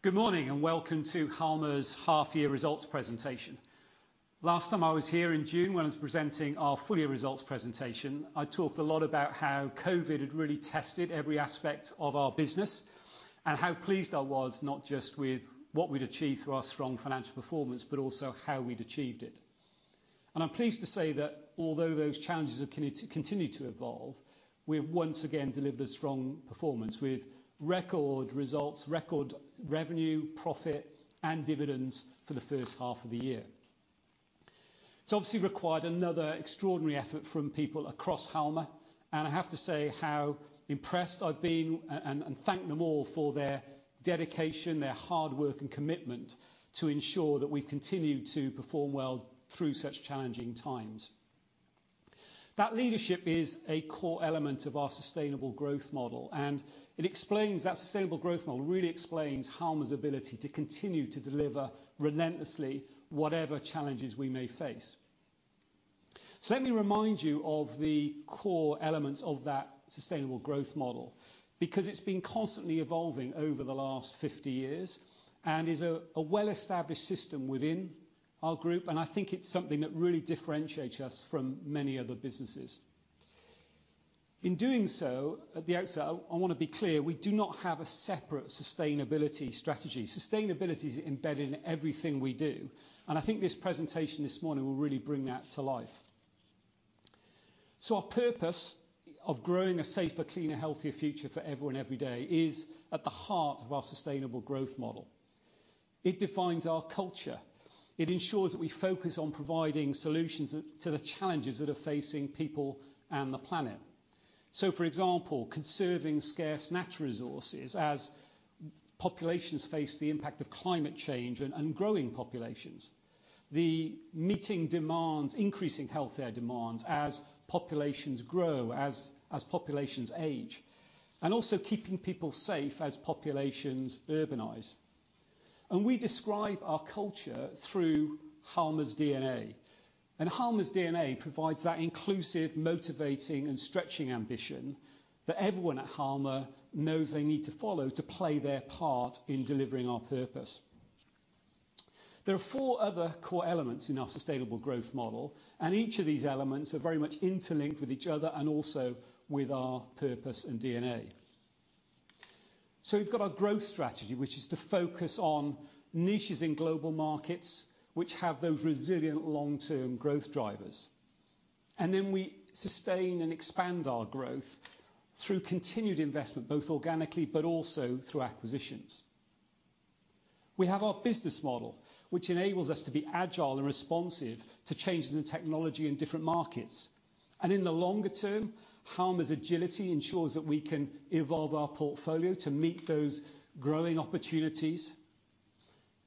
Good morning, and welcome to Halma's half year results presentation. Last time I was here in June when I was presenting our full year results presentation, I talked a lot about how COVID had really tested every aspect of our business and how pleased I was not just with what we'd achieved through our strong financial performance, but also how we'd achieved it. I'm pleased to say that although those challenges have continued to evolve, we've once again delivered a strong performance with record results, record revenue, profit and dividends for the first half of the year. It's obviously required another extraordinary effort from people across Halma, and I have to say how impressed I've been and thank them all for their dedication, their hard work and commitment to ensure that we continue to perform well through such challenging times. That leadership is a core element of our sustainable growth model, and it explains that sustainable growth model really explains Halma's ability to continue to deliver relentlessly whatever challenges we may face. Let me remind you of the core elements of that sustainable growth model, because it's been constantly evolving over the last 50 years and is a well-established system within our group, and I think it's something that really differentiates us from many other businesses. In doing so, at the outset, I wanna be clear, we do not have a separate sustainability strategy. Sustainability is embedded in everything we do, and I think this presentation this morning will really bring that to life. Our purpose of growing a safer, cleaner, healthier future for everyone every day is at the heart of our sustainable growth model. It defines our culture. It ensures that we focus on providing solutions to the challenges that are facing people and the planet. For example, conserving scarce natural resources as populations face the impact of climate change and growing populations. The mounting demands, increasing healthcare demands as populations grow, as populations age, and also keeping people safe as populations urbanize. We describe our culture through Halma's DNA, and Halma's DNA provides that inclusive, motivating and stretching ambition that everyone at Halma knows they need to follow to play their part in delivering our purpose. There are four other core elements in our sustainable growth model, and each of these elements are very much interlinked with each other and also with our purpose and DNA. We've got our growth strategy, which is to focus on niches in global markets which have those resilient long-term growth drivers. Then we sustain and expand our growth through continued investment, both organically but also through acquisitions. We have our business model, which enables us to be agile and responsive to changes in technology in different markets. In the longer term, Halma's agility ensures that we can evolve our portfolio to meet those growing opportunities.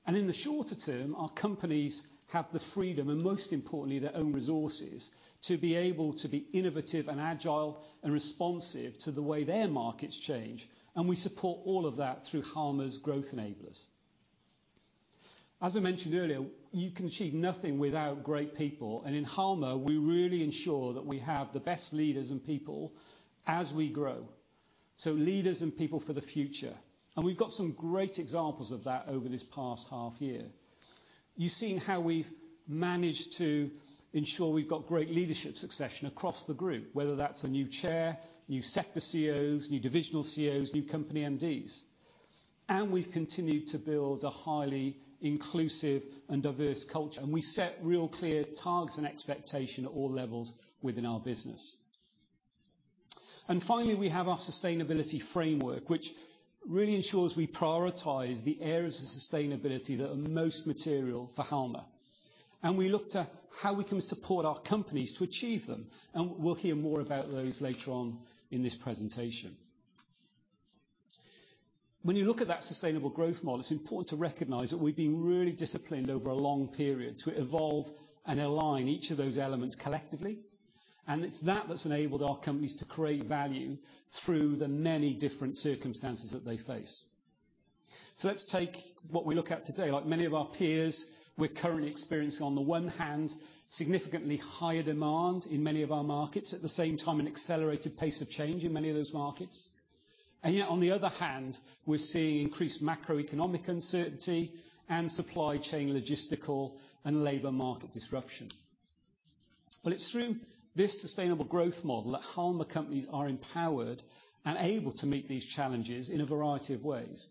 In the shorter term, our companies have the freedom, and most importantly, their own resources to be able to be innovative and agile and responsive to the way their markets change. We support all of that through Halma's growth enablers. As I mentioned earlier, you can achieve nothing without great people, and in Halma, we really ensure that we have the best leaders and people as we grow. Leaders and people for the future. We've got some great examples of that over this past half year. You've seen how we've managed to ensure we've got great leadership succession across the group, whether that's a new chair, new sector CEOs, new divisional CEOs, new company MDs. We've continued to build a highly inclusive and diverse culture, and we set real clear targets and expectation at all levels within our business. Finally, we have our sustainability framework, which really ensures we prioritize the areas of sustainability that are most material for Halma. We looked at how we can support our companies to achieve them, and we'll hear more about those later on in this presentation. When you look at that sustainable growth model, it's important to recognize that we've been really disciplined over a long period to evolve and align each of those elements collectively. It's that that's enabled our companies to create value through the many different circumstances that they face. Let's take what we look at today. Like many of our peers, we're currently experiencing, on the one hand, significantly higher demand in many of our markets, at the same time, an accelerated pace of change in many of those markets. Yet, on the other hand, we're seeing increased macroeconomic uncertainty and supply chain logistical and labor market disruption. It's through this sustainable growth model that Halma companies are empowered and able to meet these challenges in a variety of ways.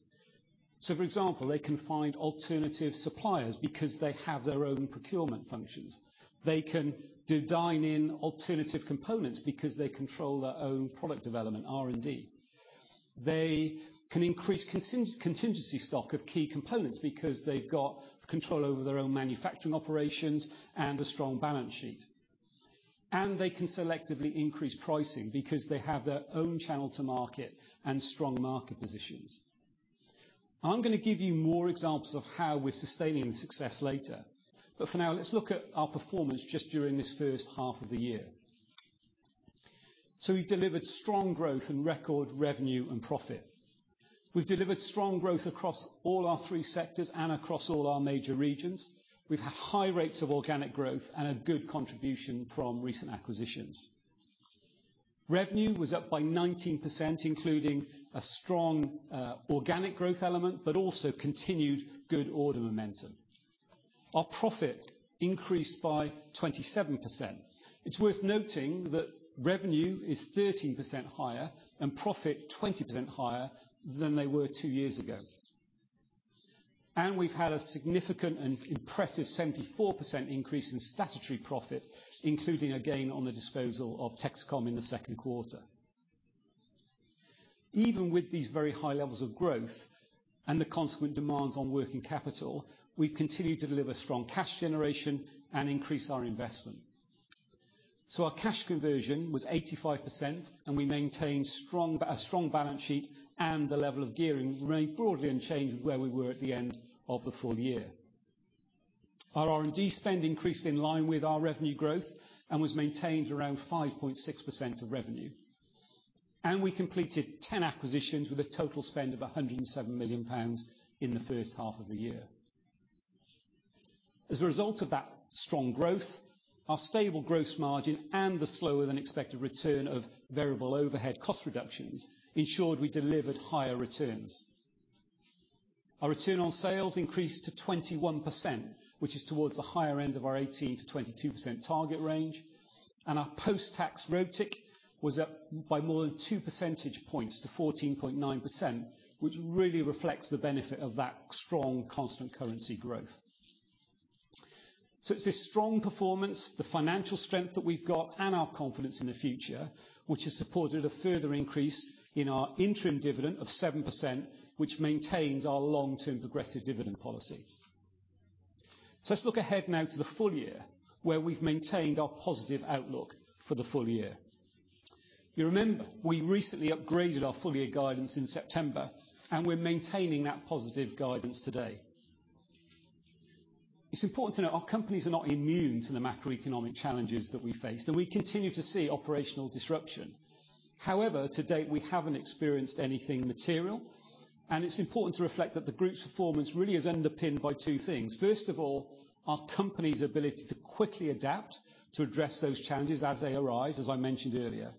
For example, they can find alternative suppliers because they have their own procurement functions. They can design in alternative components because they control their own product development, R&D. They can increase contingency stock of key components because they've got control over their own manufacturing operations and a strong balance sheet. They can selectively increase pricing because they have their own channel to market and strong market positions. I'm gonna give you more examples of how we're sustaining the success later, but for now, let's look at our performance just during this first half of the year. We delivered strong growth in record revenue and profit. We've delivered strong growth across all our three sectors and across all our major regions. We've had high rates of organic growth and a good contribution from recent acquisitions. Revenue was up by 19%, including a strong organic growth element, but also continued good order momentum. Our profit increased by 27%. It's worth noting that revenue is 13% higher and profit 20% higher than they were two years ago. We've had a significant and impressive 74% increase in statutory profit, including a gain on the disposal of Texecom in the second quarter. Even with these very high levels of growth and the consequent demands on working capital, we continue to deliver strong cash generation and increase our investment. Our cash conversion was 85%, and we maintained a strong balance sheet and the level of gearing remained broadly unchanged as we were at the end of the full year. Our R&D spend increased in line with our revenue growth and was maintained around 5.6% of revenue. We completed 10 acquisitions with a total spend of 107 million pounds in the first half of the year. As a result of that strong growth, our stable gross margin and the slower than expected return of variable overhead cost reductions ensured we delivered higher returns. Our return on sales increased to 21%, which is towards the higher end of our 18%-22% target range, and our post-tax ROTIC was up by more than 2% points to 14.9%, which really reflects the benefit of that strong constant currency growth. It's this strong performance, the financial strength that we've got, and our confidence in the future, which has supported a further increase in our interim dividend of 7%, which maintains our long-term progressive dividend policy. Let's look ahead now to the full year, where we've maintained our positive outlook for the full year. You remember we recently upgraded our full year guidance in September, and we're maintaining that positive guidance today. It's important to know our companies are not immune to the macroeconomic challenges that we face, and we continue to see operational disruption. However, to date, we haven't experienced anything material, and it's important to reflect that the group's performance really is underpinned by two things. First of all, our company's ability to quickly adapt to address those challenges as they arise, as I mentioned earlier.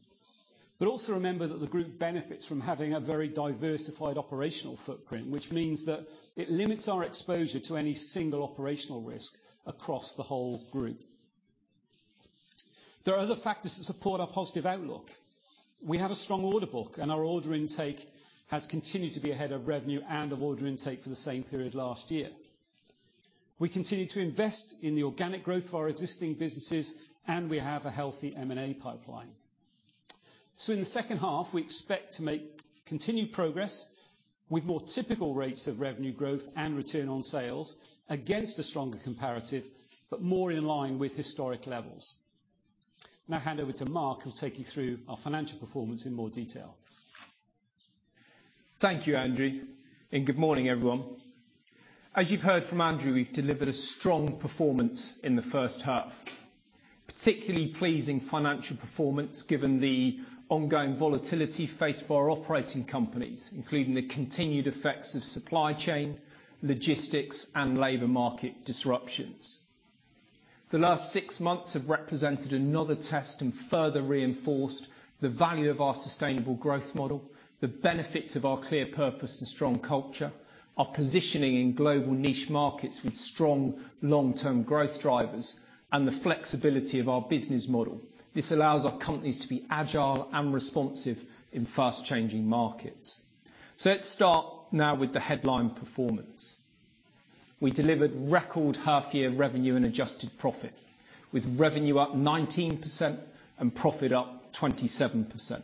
Also remember that the group benefits from having a very diversified operational footprint, which means that it limits our exposure to any single operational risk across the whole group. There are other factors that support our positive outlook. We have a strong order book, and our order intake has continued to be ahead of revenue and of order intake for the same period last year. We continue to invest in the organic growth of our existing businesses, and we have a healthy M&A pipeline. In the second half, we expect to make continued progress with more typical rates of revenue growth and return on sales against a stronger comparative, but more in line with historic levels. Now I hand over to Mark, who'll take you through our financial performance in more detail. Thank you, Andrew, and good morning, everyone. As you've heard from Andrew, we've delivered a strong performance in the first half. Particularly pleasing financial performance given the ongoing volatility faced by our operating companies, including the continued effects of supply chain, logistics, and labor market disruptions. The last six months have represented another test and further reinforced the value of our sustainable growth model, the benefits of our clear purpose and strong culture, our positioning in global niche markets with strong long-term growth drivers, and the flexibility of our business model. This allows our companies to be agile and responsive in fast changing markets. Let's start now with the headline performance. We delivered record half-year revenue and adjusted profit, with revenue up 19% and profit up 27%.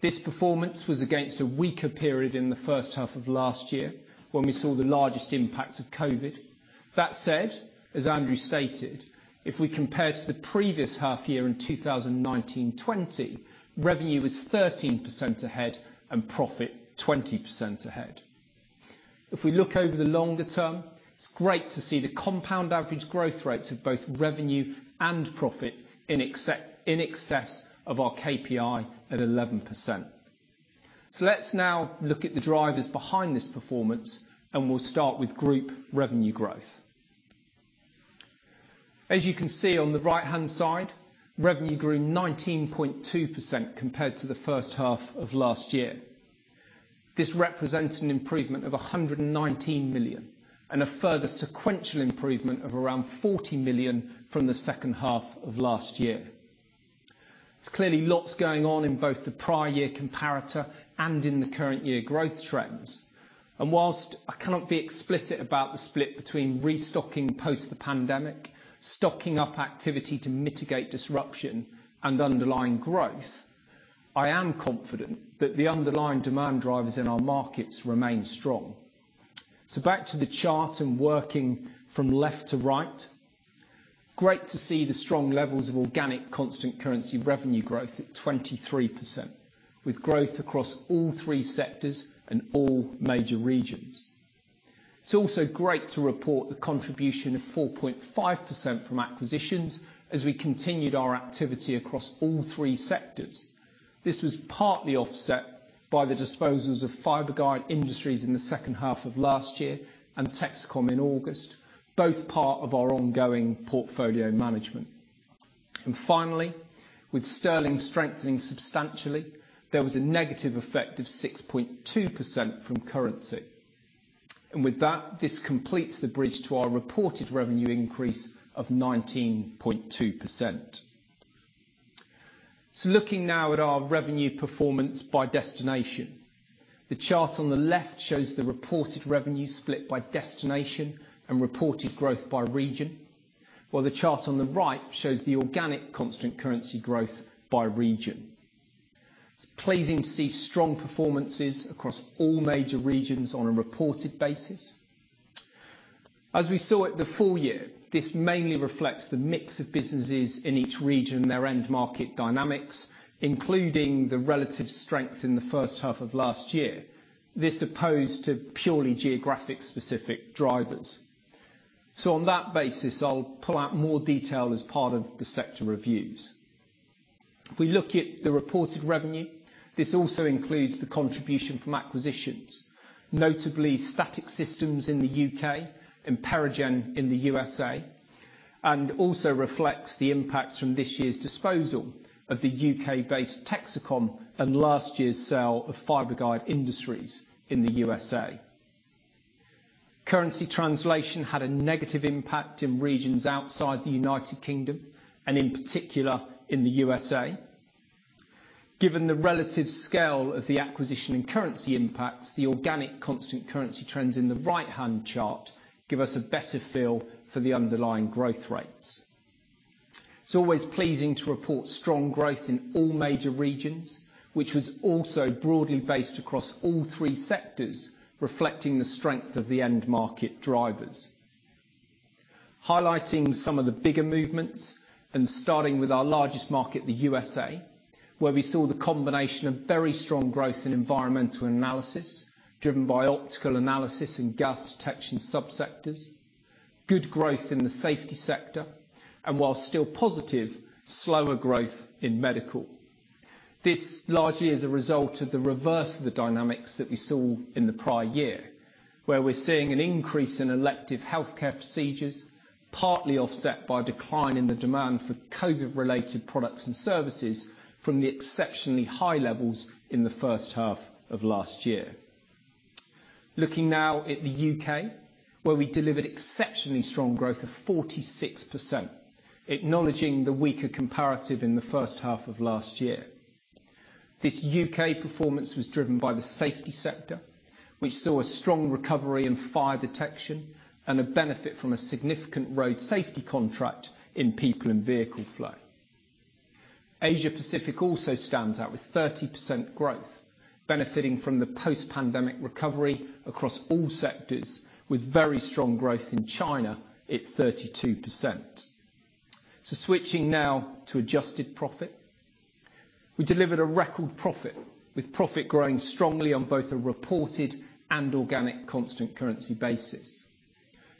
This performance was against a weaker period in the first half of last year, when we saw the largest impacts of COVID. That said, as Andrew stated, if we compare to the previous half year in 2019-20, revenue is 13% ahead and profit 20% ahead. If we look over the longer term, it's great to see the compound average growth rates of both revenue and profit in excess of our KPI at 11%. Let's now look at the drivers behind this performance, and we'll start with group revenue growth. As you can see on the right-hand side, revenue grew 19.2% compared to the first half of last year. This represents an improvement of 119 million and a further sequential improvement of around 40 million from the second half of last year. There's clearly lots going on in both the prior year comparator and in the current year growth trends. Whilst I cannot be explicit about the split between restocking post the pandemic, stocking up activity to mitigate disruption, and underlying growth, I am confident that the underlying demand drivers in our markets remain strong. Back to the chart and working from left to right. Great to see the strong levels of organic constant currency revenue growth at 23%, with growth across all three sectors and all major regions. It's also great to report the contribution of 4.5% from acquisitions as we continued our activity across all three sectors. This was partly offset by the disposals of Fiberguide Industries in the second half of last year and Texecom in August, both part of our ongoing portfolio management. Finally, with sterling strengthening substantially, there was a negative effect of 6.2% from currency. With that, this completes the bridge to our reported revenue increase of 19.2%. Looking now at our revenue performance by destination. The chart on the left shows the reported revenue split by destination and reported growth by region, while the chart on the right shows the organic constant currency growth by region. It's pleasing to see strong performances across all major regions on a reported basis. As we saw at the full year, this mainly reflects the mix of businesses in each region, their end market dynamics, including the relative strength in the first half of last year. This as opposed to purely geographically specific drivers. On that basis, I'll pull out more detail as part of the sector reviews. If we look at the reported revenue, this also includes the contribution from acquisitions, notably Static Systems in the U.K. and PeriGen in the USA, and also reflects the impacts from this year's disposal of the U.K.-based Texecom and last year's sale of Fiberguide Industries in the USA. Currency translation had a negative impact in regions outside the United Kingdom, and in particular, in the USA. Given the relative scale of the acquisition and currency impacts, the organic constant currency trends in the right-hand chart give us a better feel for the underlying growth rates. It's always pleasing to report strong growth in all major regions, which was also broadly based across all three sectors, reflecting the strength of the end market drivers. Highlighting some of the bigger movements, and starting with our largest market, the U.S., where we saw the combination of very strong growth in environmental analysis, driven by optical analysis and gas detection subsectors, good growth in the safety sector, and while still positive, slower growth in medical. This largely is a result of the reverse of the dynamics that we saw in the prior year, where we're seeing an increase in elective healthcare procedures, partly offset by decline in the demand for COVID-related products and services from the exceptionally high levels in the first half of last year. Looking now at the U.K., where we delivered exceptionally strong growth of 46%, acknowledging the weaker comparative in the first half of last year. This UK performance was driven by the safety sector, which saw a strong recovery in fire detection and a benefit from a significant road safety contract in people and vehicle flow. Asia Pacific also stands out with 30% growth, benefiting from the post-pandemic recovery across all sectors, with very strong growth in China at 32%. Switching now to adjusted profit. We delivered a record profit, with profit growing strongly on both a reported and organic constant currency basis.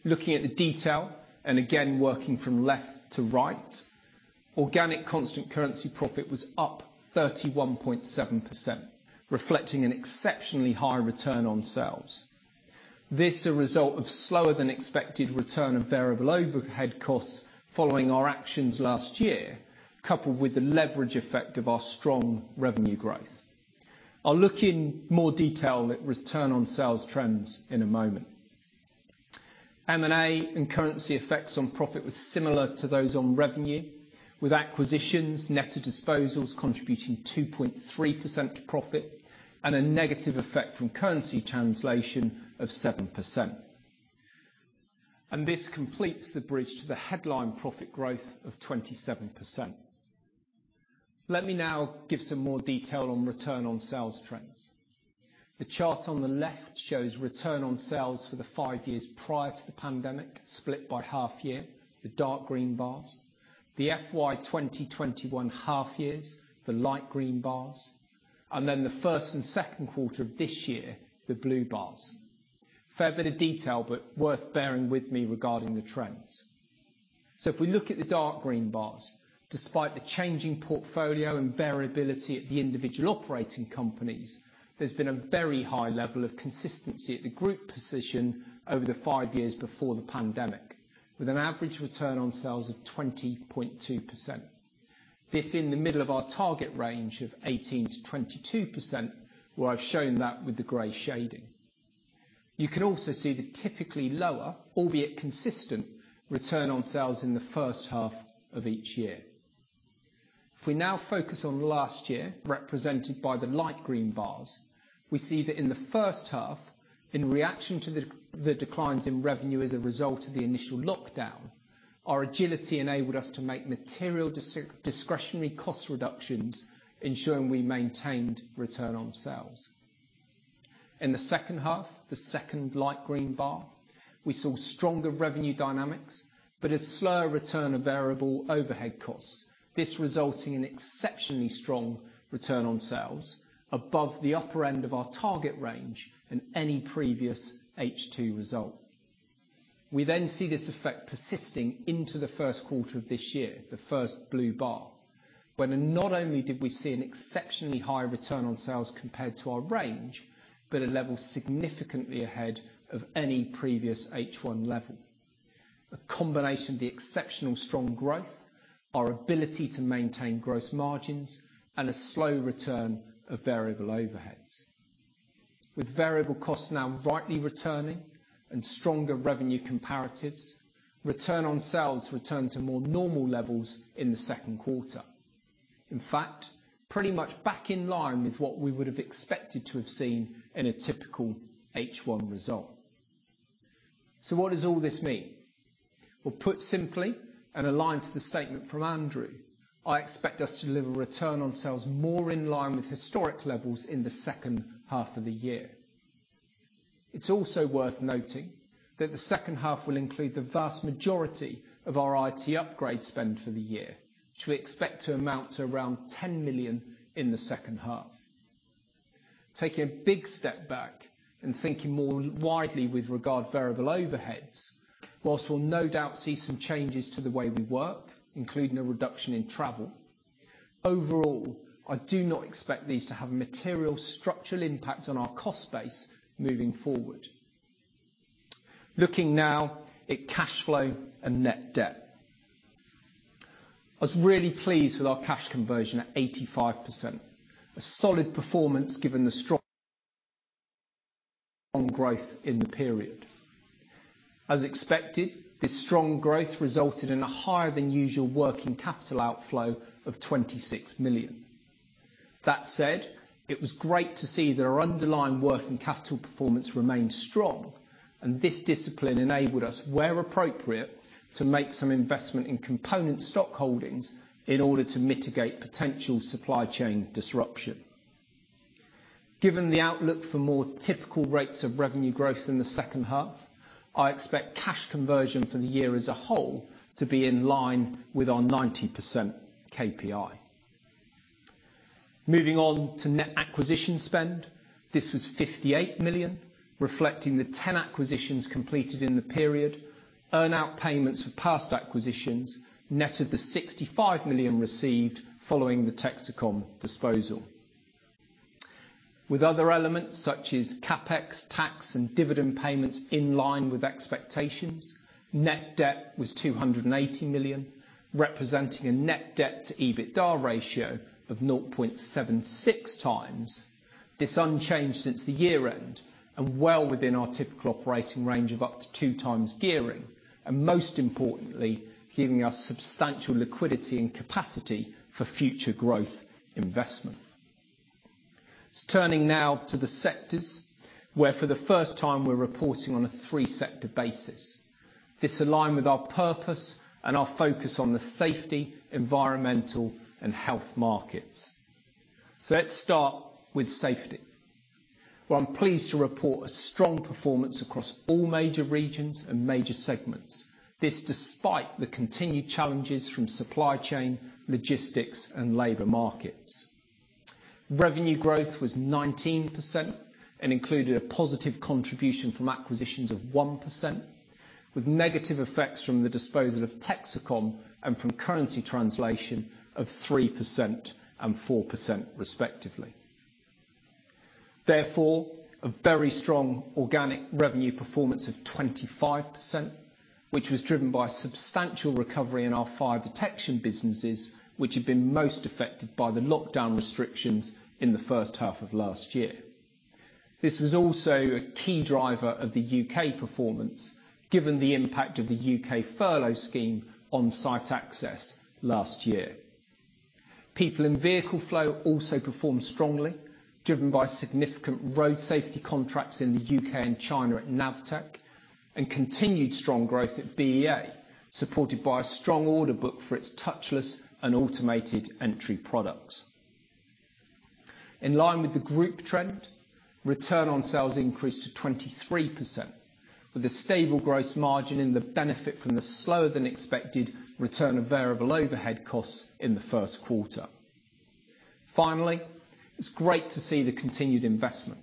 Looking at the detail, and again working from left to right, organic constant currency profit was up 31.7%, reflecting an exceptionally high return on sales. This is a result of slower than expected return of variable overhead costs following our actions last year, coupled with the leverage effect of our strong revenue growth. I'll look in more detail at return on sales trends in a moment. M&A and currency effects on profit was similar to those on revenue, with acquisitions, net of disposals contributing 2.3% to profit and a negative effect from currency translation of 7%. This completes the bridge to the headline profit growth of 27%. Let me now give some more detail on return on sales trends. The chart on the left shows return on sales for the five years prior to the pandemic, split by half year, the dark green bars, the FY 2021 half years, the light green bars, and then the first and second quarter of this year, the blue bars. Fair bit of detail, but worth bearing with me regarding the trends. If we look at the dark green bars, despite the changing portfolio and variability at the individual operating companies, there's been a very high level of consistency at the group position over the 5 years before the pandemic, with an average return on sales of 20.2%. This is in the middle of our target range of 18%-22%, where I've shown that with the gray shading. You can also see the typically lower, albeit consistent, return on sales in the first half of each year. If we now focus on last year, represented by the light green bars, we see that in the first half, in reaction to the declines in revenue as a result of the initial lockdown, our agility enabled us to make material discretionary cost reductions, ensuring we maintained return on sales. In the second half, the second light green bar, we saw stronger revenue dynamics, but a slower return of variable overhead costs, this resulting in exceptionally strong return on sales above the upper end of our target range and any previous H2 result. We then see this effect persisting into the first quarter of this year, the first blue bar, when not only did we see an exceptionally high return on sales compared to our range, but a level significantly ahead of any previous H1 level, a combination of the exceptionally strong growth, our ability to maintain gross margins, and a slow return of variable overheads. With variable costs now rightly returning and stronger revenue comparatives, return on sales returned to more normal levels in the second quarter. In fact, pretty much back in line with what we would have expected to have seen in a typical H1 result. What does all this mean? Well, put simply, and aligned to the statement from Andrew, I expect us to deliver return on sales more in line with historic levels in the second half of the year. It's also worth noting that the second half will include the vast majority of our IT upgrade spend for the year, which we expect to amount to around 10 million in the second half. Taking a big step back and thinking more widely with regard to variable overheads, while we'll no doubt see some changes to the way we work, including a reduction in travel, overall, I do not expect these to have a material structural impact on our cost base moving forward. Looking now at cash flow and net debt. I was really pleased with our cash conversion at 85%. A solid performance given the strong growth in the period. As expected, this strong growth resulted in a higher than usual working capital outflow of 26 million. That said, it was great to see that our underlying working capital performance remained strong, and this discipline enabled us, where appropriate, to make some investment in component stock holdings in order to mitigate potential supply chain disruption. Given the outlook for more typical rates of revenue growth in the second half, I expect cash conversion for the year as a whole to be in line with our 90% KPI. Moving on to net acquisition spend, this was 58 million, reflecting the 10 acquisitions completed in the period, earn-out payments for past acquisitions, net of the 65 million received following the Texecom disposal. With other elements, such as CapEx, tax, and dividend payments in line with expectations, net debt was 280 million, representing a net debt to EBITDA ratio of 0.76 times. This is unchanged since the year-end, and well within our typical operating range of up to two times gearing, and most importantly, giving us substantial liquidity and capacity for future growth investment. Turning now to the sectors, where for the first time we're reporting on a three-sector basis. This aligns with our purpose and our focus on the safety, environmental, and health markets. Let's start with safety. Well, I'm pleased to report a strong performance across all major regions and major segments. This despite the continued challenges from supply chain, logistics, and labor markets. Revenue growth was 19% and included a positive contribution from acquisitions of 1%, with negative effects from the disposal of Texecom and from currency translation of 3% and 4% respectively. Therefore, a very strong organic revenue performance of 25%, which was driven by substantial recovery in our fire detection businesses, which had been most affected by the lockdown restrictions in the first half of last year. This was also a key driver of the U.K. performance, given the impact of the U.K. furlough scheme on site access last year. People in vehicle flow also performed strongly, driven by significant road safety contracts in the U.K. and China at Navtech, and continued strong growth at BEA, supported by a strong order book for its touchless and automated entry products. In line with the group trend, return on sales increased to 23%, with a stable gross margin benefiting from the slower than expected return of variable overhead costs in the first quarter. Finally, it's great to see the continued investment,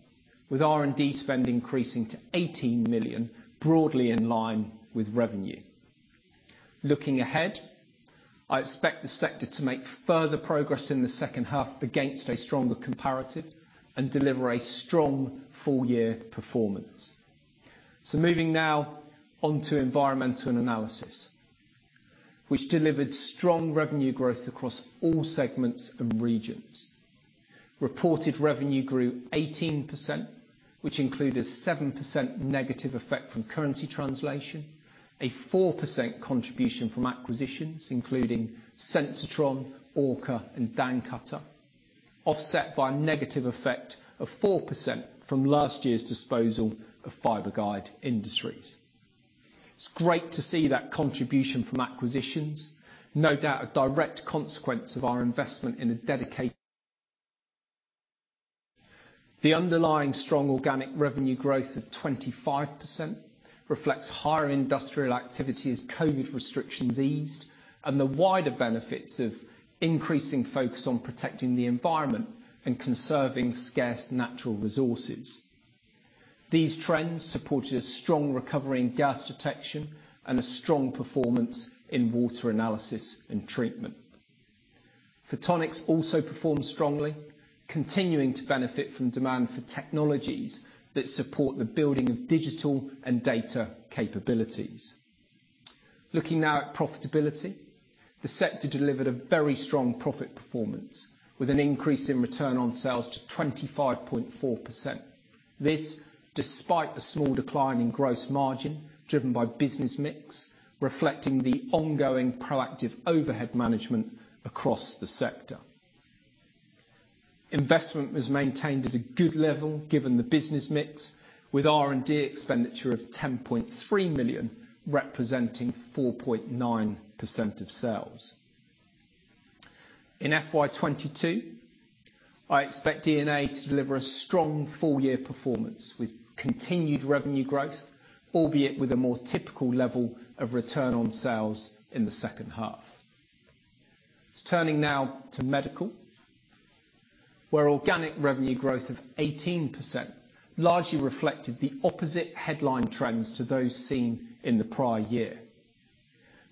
with R&D spend increasing to 18 million, broadly in line with revenue. Looking ahead, I expect the sector to make further progress in the second half against a stronger comparative and deliver a strong full year performance. Moving now on to Environmental & Analysis, which delivered strong revenue growth across all segments and regions. Reported revenue grew 18%, which included 7% negative effect from currency translation, a 4% contribution from acquisitions, including Sensitron, Orca, and Dancutter, offset by a negative effect of 4% from last year's disposal of Fiberguide Industries. It's great to see that contribution from acquisitions. No doubt, a direct consequence of our investment in a dedicated. The underlying strong organic revenue growth of 25% reflects higher industrial activity as COVID restrictions eased and the wider benefits of increasing focus on protecting the environment and conserving scarce natural resources. These trends supported a strong recovery in gas detection and a strong performance in Water Analysis and Treatment. Photonics also performed strongly, continuing to benefit from demand for technologies that support the building of digital and data capabilities. Looking now at profitability. The sector delivered a very strong profit performance with an increase in Return on Sales to 25.4%. This despite the small decline in gross margin driven by business mix, reflecting the ongoing proactive overhead management across the sector. Investment was maintained at a good level given the business mix, with R&D expenditure of 10.3 million, representing 4.9% of sales. In FY 2022, I expect DNA to deliver a strong full year performance with continued revenue growth, albeit with a more typical level of return on sales in the second half. Turning now to Medical, where organic revenue growth of 18% largely reflected the opposite headline trends to those seen in the prior year.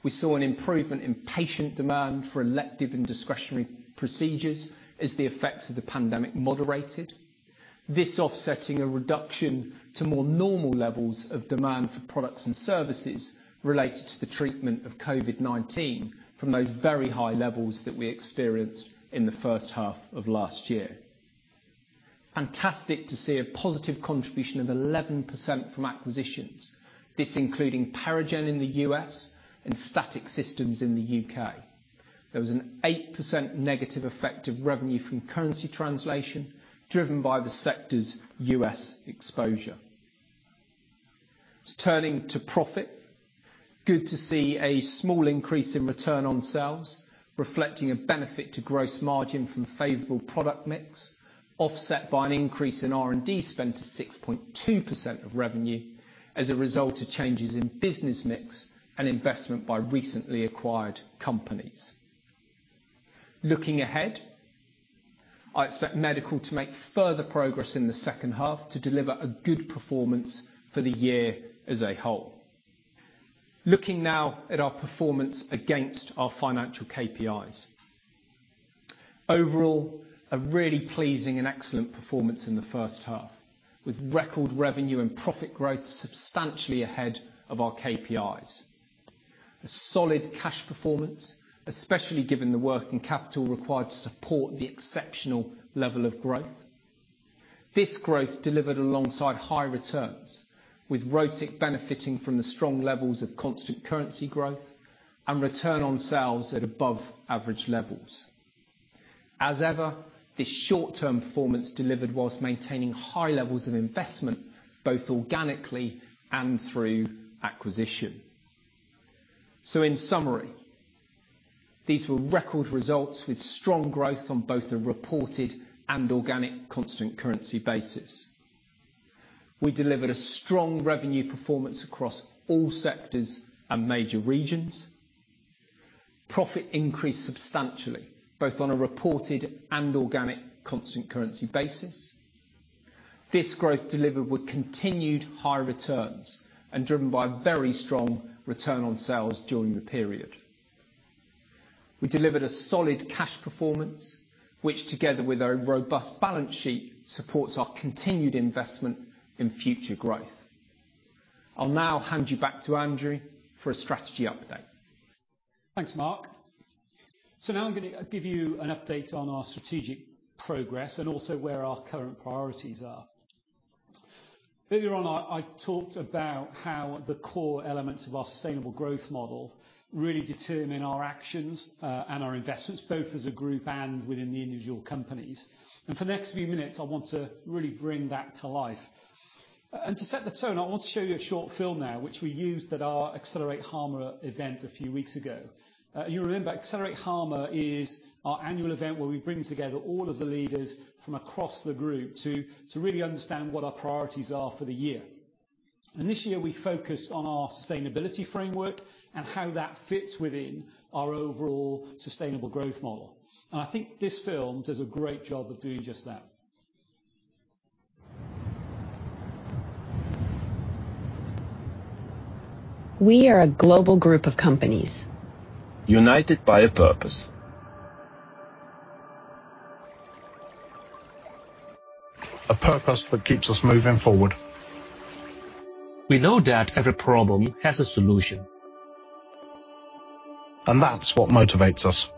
We saw an improvement in patient demand for elective and discretionary procedures as the effects of the pandemic moderated, this offsetting a reduction to more normal levels of demand for products and services related to the treatment of COVID-19 from those very high levels that we experienced in the first half of last year. Fantastic to see a positive contribution of 11% from acquisitions, this including PeriGen in the U.S. and Static Systems in the U.K. There was an 8% negative effect of revenue from currency translation, driven by the sector's U.S. exposure. Turning to profit. Good to see a small increase in Return on Sales, reflecting a benefit to gross margin from favorable product mix, offset by an increase in R&D spend to 6.2% of revenue as a result of changes in business mix and investment by recently acquired companies. Looking ahead, I expect Medical to make further progress in the second half to deliver a good performance for the year as a whole. Looking now at our performance against our financial KPIs. Overall, a really pleasing and excellent performance in the first half, with record revenue and profit growth substantially ahead of our KPIs. A solid cash performance, especially given the working capital required to support the exceptional level of growth. This growth delivered alongside high returns, with ROTIC benefiting from the strong levels of constant currency growth and Return on Sales at above average levels. As ever, this short-term performance delivered while maintaining high levels of investment, both organically and through acquisition. In summary, these were record results with strong growth on both the reported and organic constant currency basis. We delivered a strong revenue performance across all sectors and major regions. Profit increased substantially, both on a reported and organic constant currency basis. This growth delivered with continued high returns and driven by very strong Return on Sales during the period. We delivered a solid cash performance, which together with our robust balance sheet, supports our continued investment in future growth. I'll now hand you back to Andrew for a strategy update. Thanks, Mark. Now I'm gonna give you an update on our strategic progress and also where our current priorities are. Earlier on I talked about how the core elements of our sustainable growth model really determine our actions and our investments, both as a group and within the individual companies. For the next few minutes, I want to really bring that to life. To set the tone, I want to show you a short film now, which we used at our Accelerate Halma event a few weeks ago. You remember Accelerate Halma is our annual event where we bring together all of the leaders from across the group to really understand what our priorities are for the year. This year we focused on our sustainability framework and how that fits within our overall sustainable growth model. I think this film does a great job of doing just that. We are a global group of companies. United by a purpose. A purpose that keeps us moving forward. We know that every problem has a solution. That's what motivates us.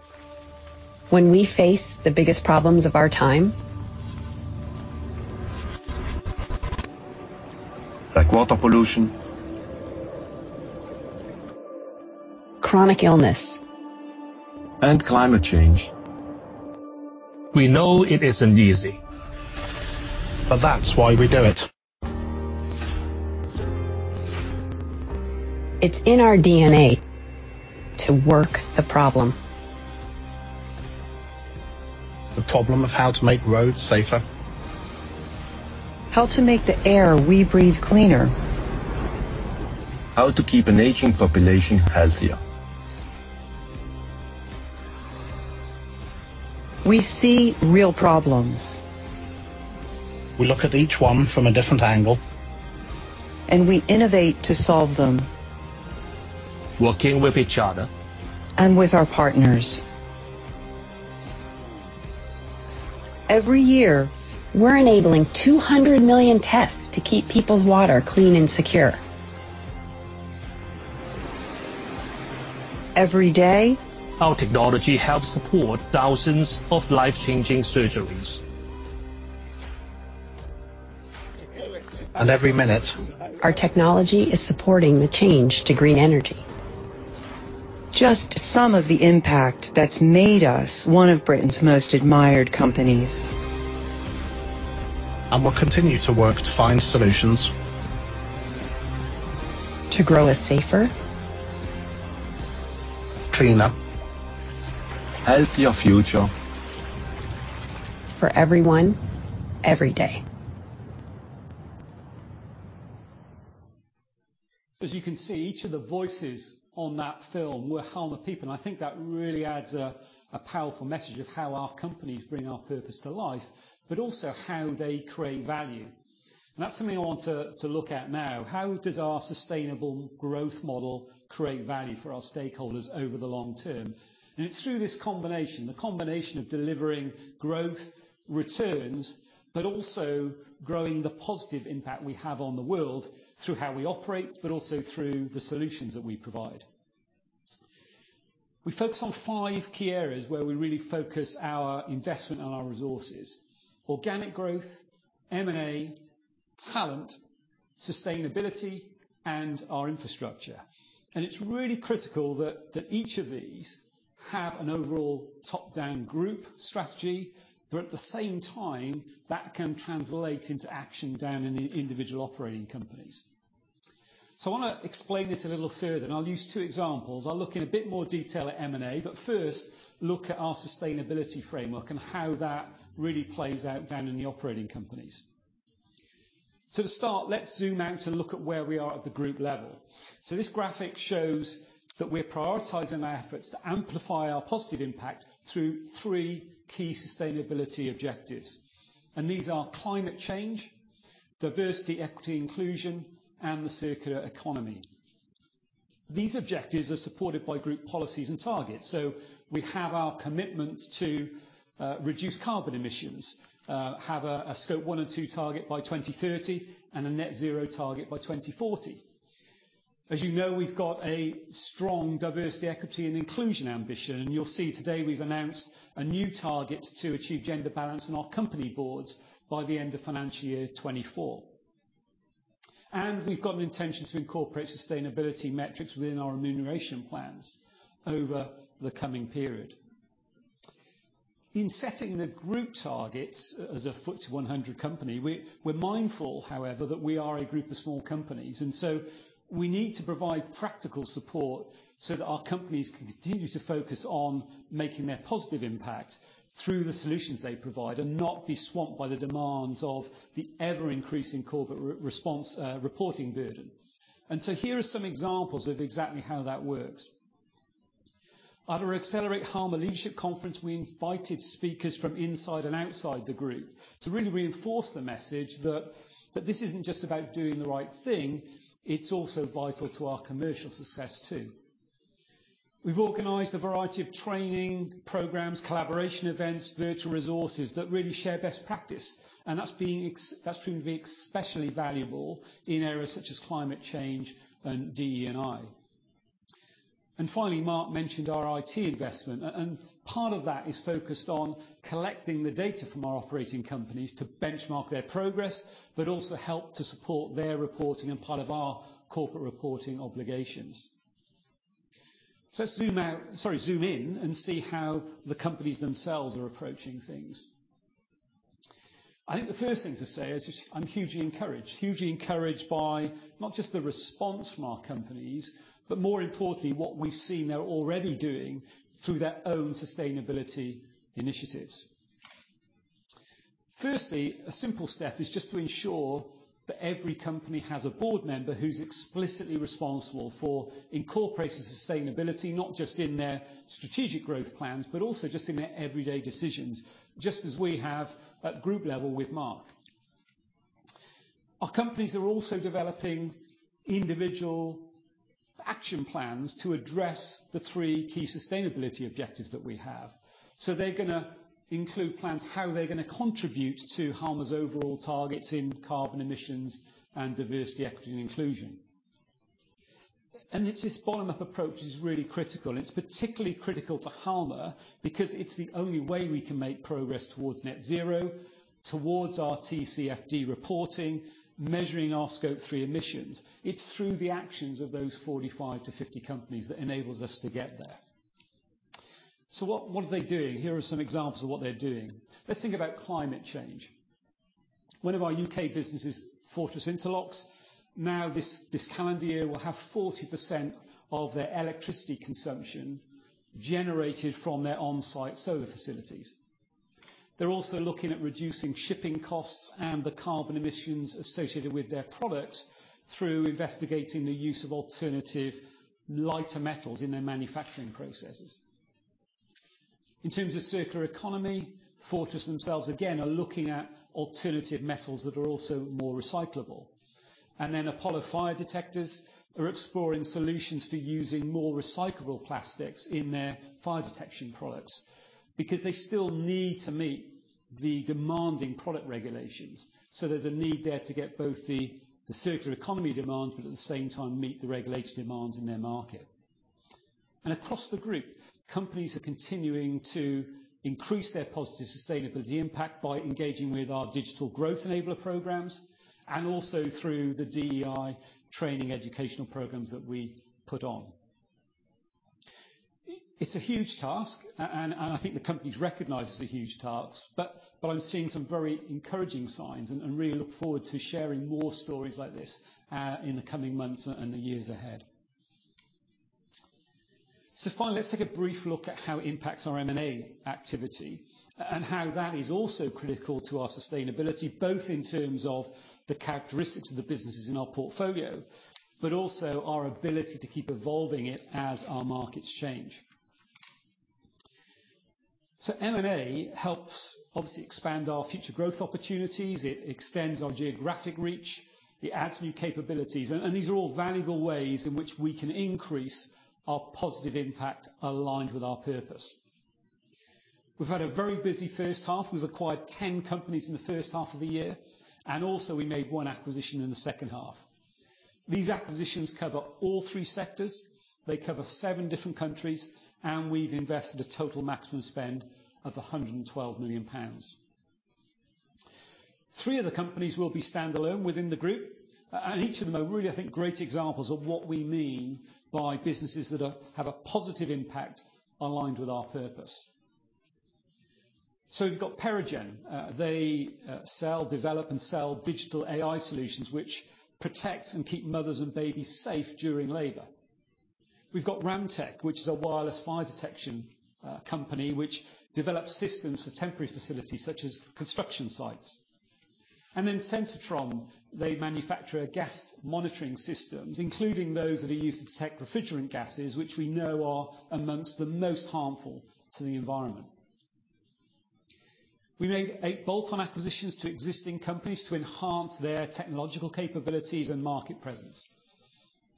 When we face the biggest problems of our time. Like water pollution. Chronic illness. Climate change. We know it isn't easy. That's why we do it. It's in our E&A to work the problem. The problem of how to make roads safer. How to make the air we breathe cleaner. How to keep an aging population healthier. We see real problems. We look at each one from a different angle. We innovate to solve them. Working with each other. with our partners. Every year, we're enabling 200 million tests to keep people's water clean and secure. Every day Our technology helps support thousands of life-changing surgeries every minute. Our technology is supporting the change to green energy. Just some of the impact that's made us one of Britain's most admired companies. We'll continue to work to find solutions. To grow a safer Cleaner Healthier Future For everyone, every day. As you can see, each of the voices on that film were Halma people, and I think that really adds a powerful message of how our companies bring our purpose to life, but also how they create value. That's something I want to look at now. How does our sustainable growth model create value for our stakeholders over the long term? It's through this combination of delivering growth returns, but also growing the positive impact we have on the world through how we operate, but also through the solutions that we provide. We focus on five key areas where we really focus our investment and our resources, organic growth, M&A, talent, sustainability, and our infrastructure. It's really critical that each of these have an overall top-down group strategy, but at the same time, that can translate into action down in the individual operating companies. I wanna explain this a little further, and I'll use two examples. I'll look in a bit more detail at M&A, but first, look at our sustainability framework and how that really plays out down in the operating companies. To start, let's zoom out and look at where we are at the group level. This graphic shows that we're prioritizing our efforts to amplify our positive impact through three key sustainability objectives, and these are climate change, diversity, equity, inclusion, and the circular economy. These objectives are supported by group policies and targets. We have our commitment to reduce carbon emissions, have a Scope one and two target by 2030, and a net zero target by 2040. As you know, we've got a strong diversity, equity, and inclusion ambition. You'll see today we've announced a new target to achieve gender balance in our company boards by the end of FY 2024. We've got an intention to incorporate sustainability metrics within our remuneration plans over the coming period. In setting the group targets as a FTSE 100 company, we're mindful, however, that we are a group of small companies, and so we need to provide practical support so that our companies can continue to focus on making their positive impact through the solutions they provide, and not be swamped by the demands of the ever-increasing corporate responsibility reporting burden. Here are some examples of exactly how that works. At our Accelerate Halma Leadership Conference, we invited speakers from inside and outside the group to really reinforce the message that this isn't just about doing the right thing, it's also vital to our commercial success too. We've organized a variety of training programs, collaboration events, virtual resources that really share best practice, and that's proving to be especially valuable in areas such as climate change and DE&I. Finally, Mark mentioned our IT investment, and part of that is focused on collecting the data from our operating companies to benchmark their progress, but also help to support their reporting and part of our corporate reporting obligations. Let's zoom out, sorry, zoom in and see how the companies themselves are approaching things. I think the first thing to say is just I'm hugely encouraged. Hugely encouraged by not just the response from our companies, but more importantly, what we've seen they're already doing through their own sustainability initiatives. Firstly, a simple step is just to ensure that every company has a board member who's explicitly responsible for incorporating sustainability, not just in their strategic growth plans, but also just in their everyday decisions, just as we have at group level with Mark. Our companies are also developing individual action plans to address the three key sustainability objectives that we have. They're gonna include plans how they're gonna contribute to Halma's overall targets in carbon emissions and diversity, equity, and inclusion. It's this bottom-up approach is really critical, and it's particularly critical to Halma because it's the only way we can make progress towards net zero, towards our TCFD reporting, measuring our Scope three emissions. It's through the actions of those 45-50 companies that enables us to get there. What are they doing? Here are some examples of what they're doing. Let's think about climate change. One of our U.K. businesses, Fortress Interlocks, now this calendar year will have 40% of their electricity consumption generated from their on-site solar facilities. They're also looking at reducing shipping costs and the carbon emissions associated with their products through investigating the use of alternative lighter metals in their manufacturing processes. In terms of circular economy, Fortress themselves again are looking at alternative metals that are also more recyclable. Apollo Fire Detectors are exploring solutions for using more recyclable plastics in their fire detection products because they still need to meet the demanding product regulations. There's a need there to get both the circular economy demands, but at the same time meet the regulatory demands in their market. Across the group, companies are continuing to increase their positive sustainability impact by engaging with our digital growth enabler programs, and also through the DEI training educational programs that we put on. It's a huge task, and I think the company recognizes the huge task, but I'm seeing some very encouraging signs and really look forward to sharing more stories like this, in the coming months and the years ahead. Finally, let's take a brief look at how it impacts our M&A activity and how that is also critical to our sustainability, both in terms of the characteristics of the businesses in our portfolio, but also our ability to keep evolving it as our markets change. M&A helps obviously expand our future growth opportunities. It extends our geographic reach. It adds new capabilities. These are all valuable ways in which we can increase our positive impact aligned with our purpose. We've had a very busy first half. We've acquired 10 companies in the first half of the year, and also we made one acquisition in the second half. These acquisitions cover all three sectors. They cover seven different countries, and we've invested a total maximum spend of 112 million pounds. Three of the companies will be standalone within the group. Each of them are really, I think, great examples of what we mean by businesses that have a positive impact aligned with our purpose. We've got PeriGen. They sell, develop, and sell digital AI solutions which protect and keep mothers and babies safe during labor. We've got Ramtech, which is a wireless fire detection company which develops systems for temporary facilities such as construction sites. Sensitron, they manufacture gas monitoring systems, including those that are used to detect refrigerant gases, which we know are among the most harmful to the environment. We made eight bolt-on acquisitions to existing companies to enhance their technological capabilities and market presence.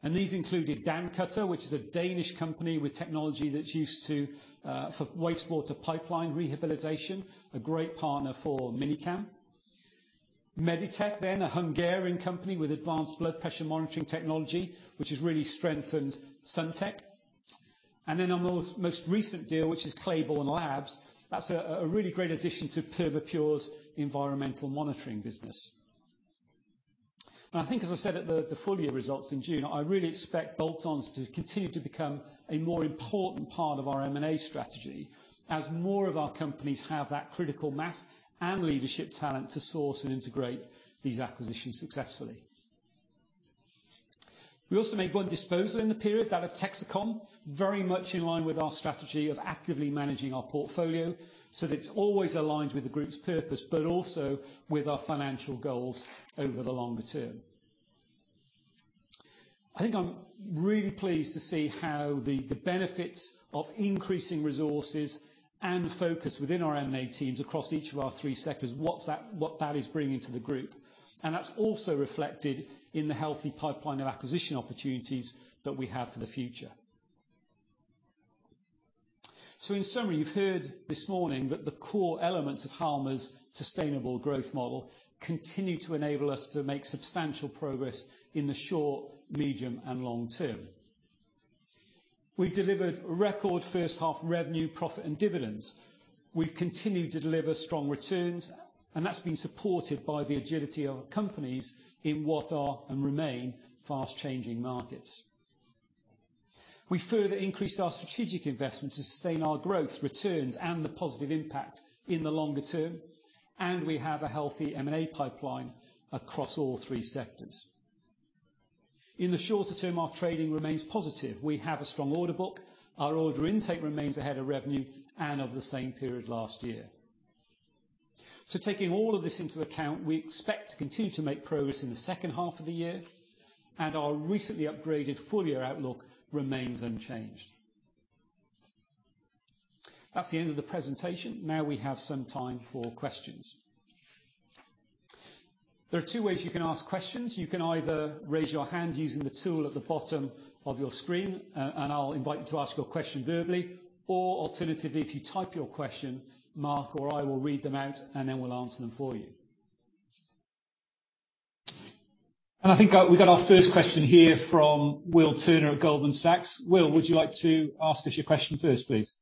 These included Dancutter, which is a Danish company with technology that's used for wastewater pipeline rehabilitation, a great partner for Mini-Cam. Meditech, then a Hungarian company with advanced blood pressure monitoring technology, which has really strengthened SunTech. Our most recent deal, which is Clayborn Labs. That's a really great addition to Perma Pure's environmental monitoring business. I think, as I said at the full year results in June, I really expect bolt-ons to continue to become a more important part of our M&A strategy as more of our companies have that critical mass and leadership talent to source and integrate these acquisitions successfully. We also made one disposal in the period, that of Texecom, very much in line with our strategy of actively managing our portfolio so that it's always aligned with the group's purpose, but also with our financial goals over the longer term. I think I'm really pleased to see how the benefits of increasing resources and focus within our M&A teams across each of our three sectors, what that is bringing to the group. That's also reflected in the healthy pipeline of acquisition opportunities that we have for the future. In summary, you've heard this morning that the core elements of Halma's sustainable growth model continue to enable us to make substantial progress in the short, medium, and long term. We've delivered record first half revenue, profit, and dividends. We've continued to deliver strong returns, and that's been supported by the agility of our companies in what are and remain fast changing markets. We further increased our strategic investment to sustain our growth returns and the positive impact in the longer term, and we have a healthy M&A pipeline across all three sectors. In the shorter term, our trading remains positive. We have a strong order book. Our order intake remains ahead of revenue and of the same period last year. Taking all of this into account, we expect to continue to make progress in the second half of the year, and our recently upgraded full year outlook remains unchanged. That's the end of the presentation. Now we have some time for questions. There are two ways you can ask questions. You can either raise your hand using the tool at the bottom of your screen, and I'll invite you to ask your question verbally. Or alternatively, if you type your question, Mark or I will read them out, and then we'll answer them for you. I think we got our first question here from Will Turner at Goldman Sachs. Will, would you like to ask us your question first, please?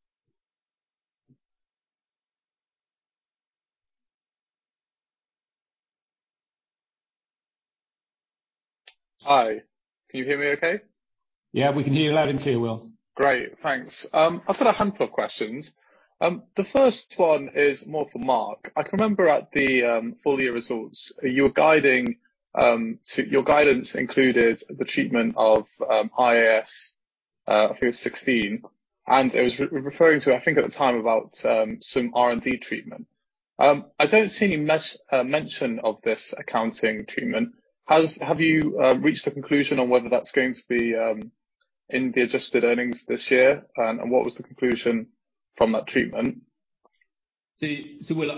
Hi. Can you hear me okay? Yeah, we can hear you loud and clear, Will. Great. Thanks. I've got a handful of questions. The first one is more for Mark. I can remember at the full year results, you were guiding to. Your guidance included the treatment of IAS 38, and it was referring to, I think at the time, about some R&D treatment. I don't see any mention of this accounting treatment. Have you reached a conclusion on whether that's going to be in the adjusted earnings this year, and what was the conclusion from that treatment? Will,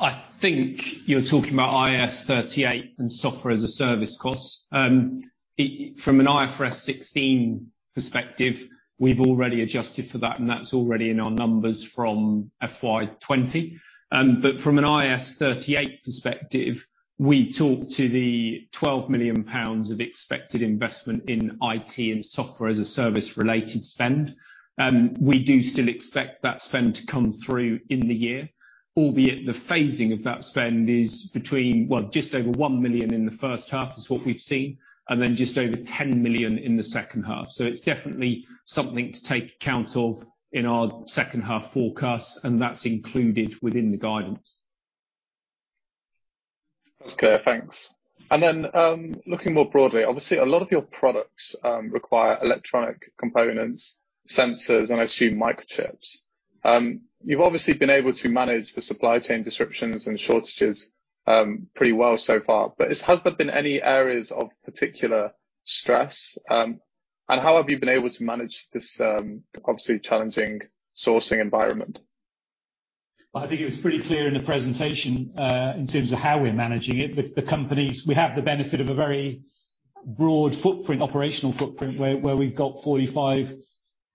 I think you're talking about IAS 38 and software as a service cost. From an IFRS 16 perspective, we've already adjusted for that, and that's already in our numbers from FY 2020. But from an IAS 38 perspective, we talked about the 12 million pounds of expected investment in IT and software as a service related spend. We do still expect that spend to come through in the year, albeit the phasing of that spend is between, well, just over 1 million in the first half is what we've seen, and then just over 10 million in the second half. It's definitely something to take account of in our second half forecasts, and that's included within the guidance. That's clear. Thanks. Looking more broadly, obviously a lot of your products require electronic components, sensors, and I assume microchips. You've obviously been able to manage the supply chain disruptions and shortages pretty well so far. Has there been any areas of particular stress? How have you been able to manage this obviously challenging sourcing environment? I think it was pretty clear in the presentation, in terms of how we're managing it. The companies we have the benefit of a very broad operational footprint where we've got 45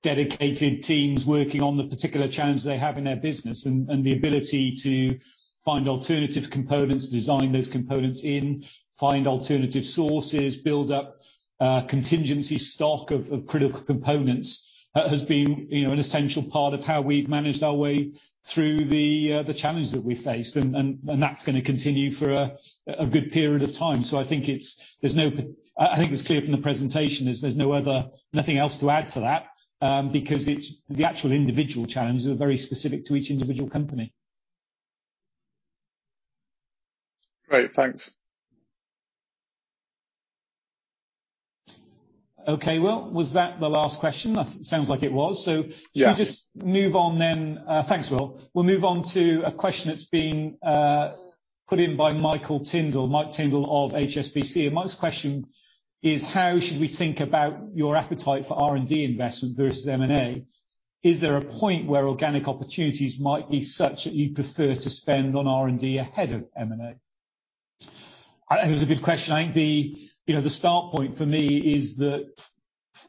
dedicated teams working on the particular challenge they have in their business and the ability to find alternative components, design those components in, find alternative sources, build up contingency stock of critical components. That has been you know an essential part of how we've managed our way through the challenge that we face. That's gonna continue for a good period of time. I think it was clear from the presentation. There's nothing else to add to that because the actual individual challenges are very specific to each individual company. Great. Thanks. Okay. Well, was that the last question? It sounds like it was. So Yeah. Shall we just move on then? Thanks, Will. We'll move on to a question that's been put in by Michael Tindall, Mike Tindall of HSBC. Mike's question is, how should we think about your appetite for R&D investment versus M&A? Is there a point where organic opportunities might be such that you'd prefer to spend on R&D ahead of M&A? I think it was a good question. I think, you know, the start point for me is that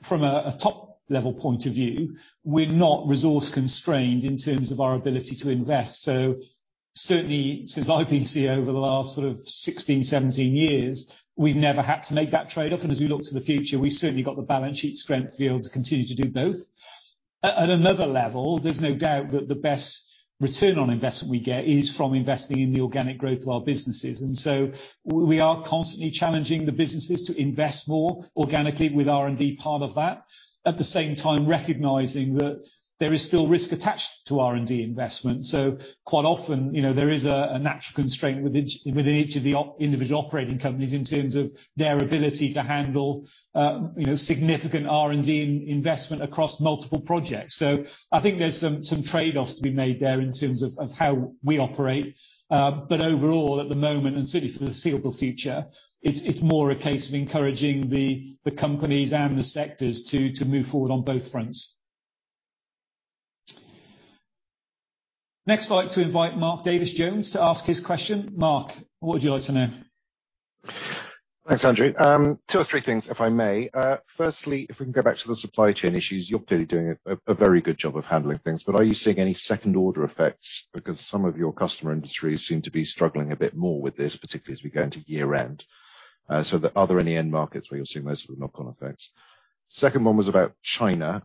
from a top level point of view, we're not resource constrained in terms of our ability to invest. Certainly since I've been CEO over the last sort of 16, 17 years, we've never had to make that trade-off. As we look to the future, we certainly got the balance sheet strength to be able to continue to do both. At another level, there's no doubt that the best return on investment we get is from investing in the organic growth of our businesses. We are constantly challenging the businesses to invest more organically with R&D part of that. At the same time, recognizing that there is still risk attached to R&D investment. Quite often, you know, there is a natural constraint within each of the individual operating companies in terms of their ability to handle, you know, significant R&D investment across multiple projects. I think there's some trade-offs to be made there in terms of how we operate. But overall at the moment, and certainly for the foreseeable future, it's more a case of encouraging the companies and the sectors to move forward on both fronts. Next, I'd like to invite Mark Davies Jones to ask his question. Mark, what would you like to know? Thanks, Andrew. Two or three things, if I may. Firstly, if we can go back to the supply chain issues, you're clearly doing a very good job of handling things, but are you seeing any second order effects? Because some of your customer industries seem to be struggling a bit more with this, particularly as we go into year-end. So are there any end markets where you're seeing those sort of knock-on effects? Second one was about China.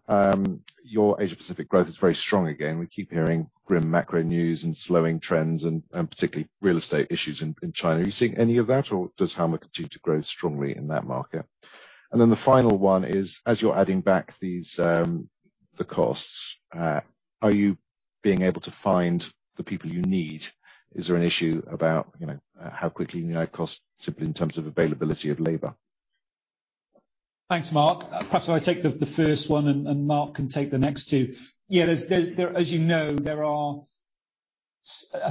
Your Asia Pacific growth is very strong again, we keep hearing grim macro news and slowing trends and particularly real estate issues in China. Are you seeing any of that, or does Halma continue to grow strongly in that market? The final one is, as you're adding back these, the costs, are you being able to find the people you need? Is there an issue about, you know, how quickly you can add costs simply in terms of availability of labor? Thanks, Mark. Perhaps I'll take the first one and Mark can take the next two. Yeah, there are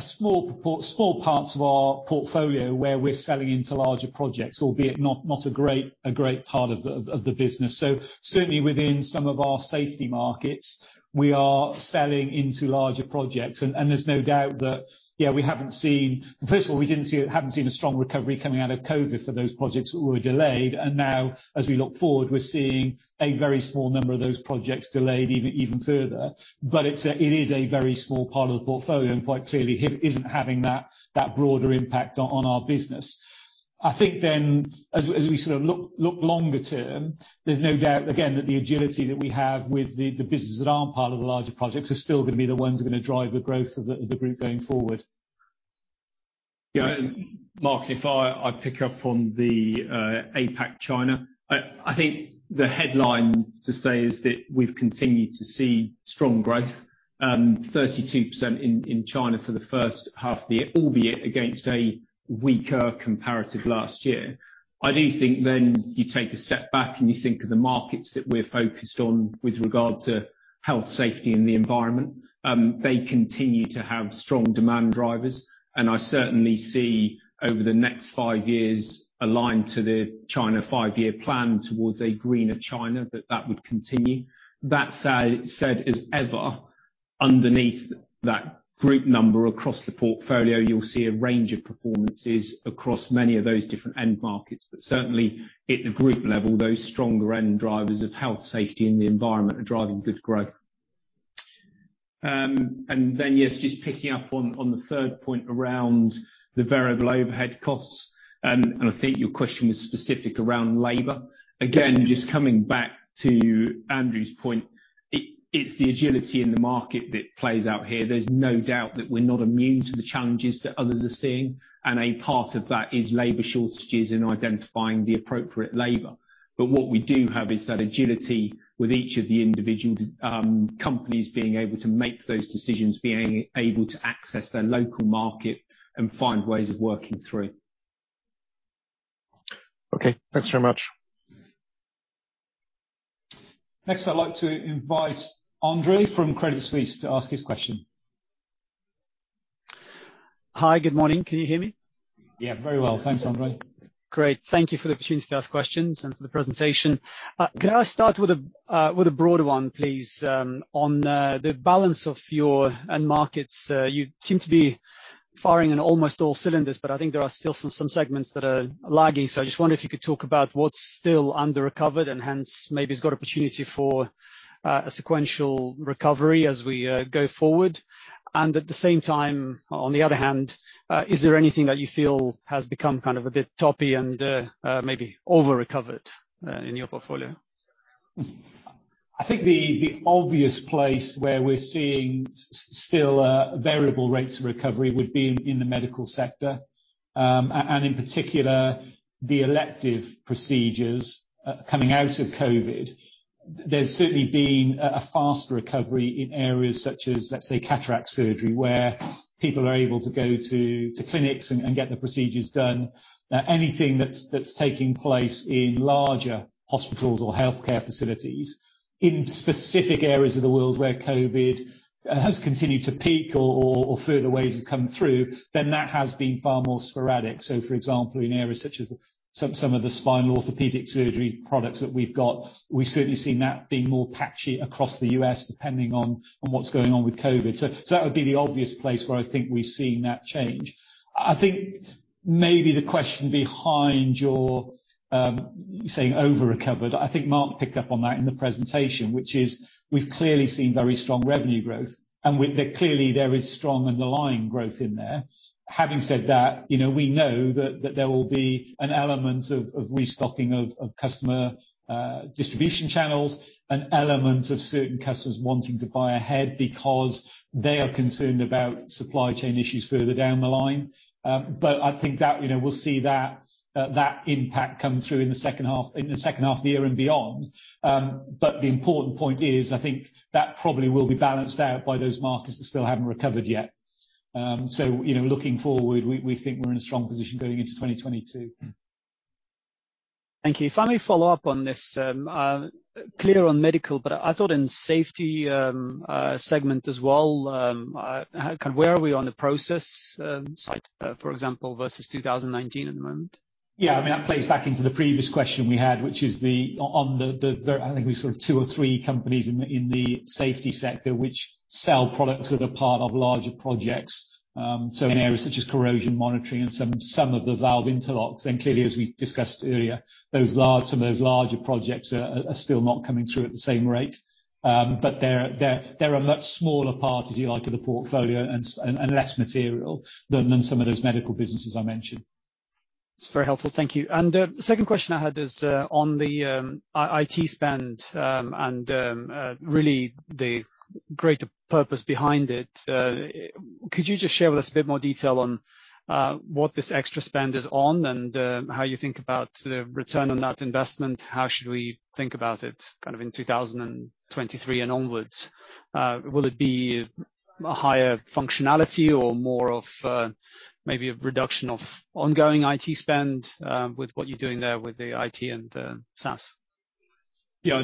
small parts of our portfolio where we're selling into larger projects, albeit not a great part of the business. Certainly within some of our safety markets, we are selling into larger projects and there's no doubt that yeah we haven't seen. First of all, we didn't see, haven't seen a strong recovery coming out of COVID for those projects that were delayed. Now as we look forward, we're seeing a very small number of those projects delayed even further. It is a very small part of the portfolio, and quite clearly it isn't having that broader impact on our business. I think as we sort of look longer term, there's no doubt again that the agility that we have with the businesses that aren't part of the larger projects are still gonna be the ones that are gonna drive the growth of the group going forward. Yeah. Mark, if I pick up on the APAC China, I think the headline to say is that we've continued to see strong growth. 32% in China for the first half of the year, albeit against a weaker comparative last year. I do think then you take a step back, and you think of the markets that we're focused on with regard to health, safety, and the environment. They continue to have strong demand drivers. I certainly see over the next 5 years aligned to the China Five-Year Plan towards a greener China that would continue. That said, as ever, underneath that group number across the portfolio, you'll see a range of performances across many of those different end markets. Certainly, at the group level, those stronger end drivers of health, safety, and the environment are driving good growth. Yes, just picking up on the third point around the variable overhead costs, and I think your question was specific around labor. Again, just coming back to Andrew's point, it's the agility in the market that plays out here. There's no doubt that we're not immune to the challenges that others are seeing, and a part of that is labor shortages and identifying the appropriate labor. But what we do have is that agility with each of the individual companies being able to make those decisions, being able to access their local market and find ways of working through. Okay, thanks very much. Next, I'd like to invite Andre from Credit Suisse to ask his question. Hi, good morning. Can you hear me? Yeah, very well. Thanks, Andre. Great. Thank you for the opportunity to ask questions and for the presentation. Can I start with a broad one, please, on the balance of your end markets? You seem to be firing on almost all cylinders, but I think there are still some segments that are lagging. I just wonder if you could talk about what's still under-recovered and hence maybe has got opportunity for a sequential recovery as we go forward? At the same time, on the other hand, is there anything that you feel has become kind of a bit toppy and maybe over-recovered in your portfolio? I think the obvious place where we're seeing still variable rates of recovery would be in the medical sector and in particular the elective procedures coming out of COVID. There's certainly been a faster recovery in areas such as let's say cataract surgery where people are able to go to clinics and get the procedures done. Anything that's taking place in larger hospitals or healthcare facilities in specific areas of the world where COVID has continued to peak or further waves have come through then that has been far more sporadic. For example in areas such as some of the spinal orthopedic surgery products that we've got we've certainly seen that being more patchy across the U.S. depending on what's going on with COVID. That would be the obvious place where I think we've seen that change. I think maybe the question behind your saying over-recovered. I think Mark picked up on that in the presentation, which is we've clearly seen very strong revenue growth, and clearly there is strong underlying growth in there. Having said that, you know, we know that there will be an element of restocking of customer distribution channels, an element of certain customers wanting to buy ahead because they are concerned about supply chain issues further down the line. I think that, you know, we'll see that impact come through in the second half of the year and beyond. The important point is, I think that probably will be balanced out by those markets that still haven't recovered yet. You know, looking forward, we think we're in a strong position going into 2022. Thank you. If I may follow up on this, I'm clear on Medical, but I thought in Safety segment as well, kind of where are we on the process side, for example, versus 2019 at the moment? Yeah, I mean, that plays back into the previous question we had, which is on the, I think we sort of have two or three companies in the safety sector which sell products that are part of larger projects. In areas such as corrosion monitoring and some of the valve interlocks, then clearly as we discussed earlier, some of those larger projects are still not coming through at the same rate. They're a much smaller part, if you like, of the portfolio and less material than some of those medical businesses I mentioned. It's very helpful. Thank you. Second question I had is on the IT spend and really the greater purpose behind it. Could you just share with us a bit more detail on what this extra spend is on and how you think about the return on that investment? How should we think about it kind of in 2023 and onwards? Will it be a higher functionality or more of maybe a reduction of ongoing IT spend with what you're doing there with the IT and SaaS? Yeah.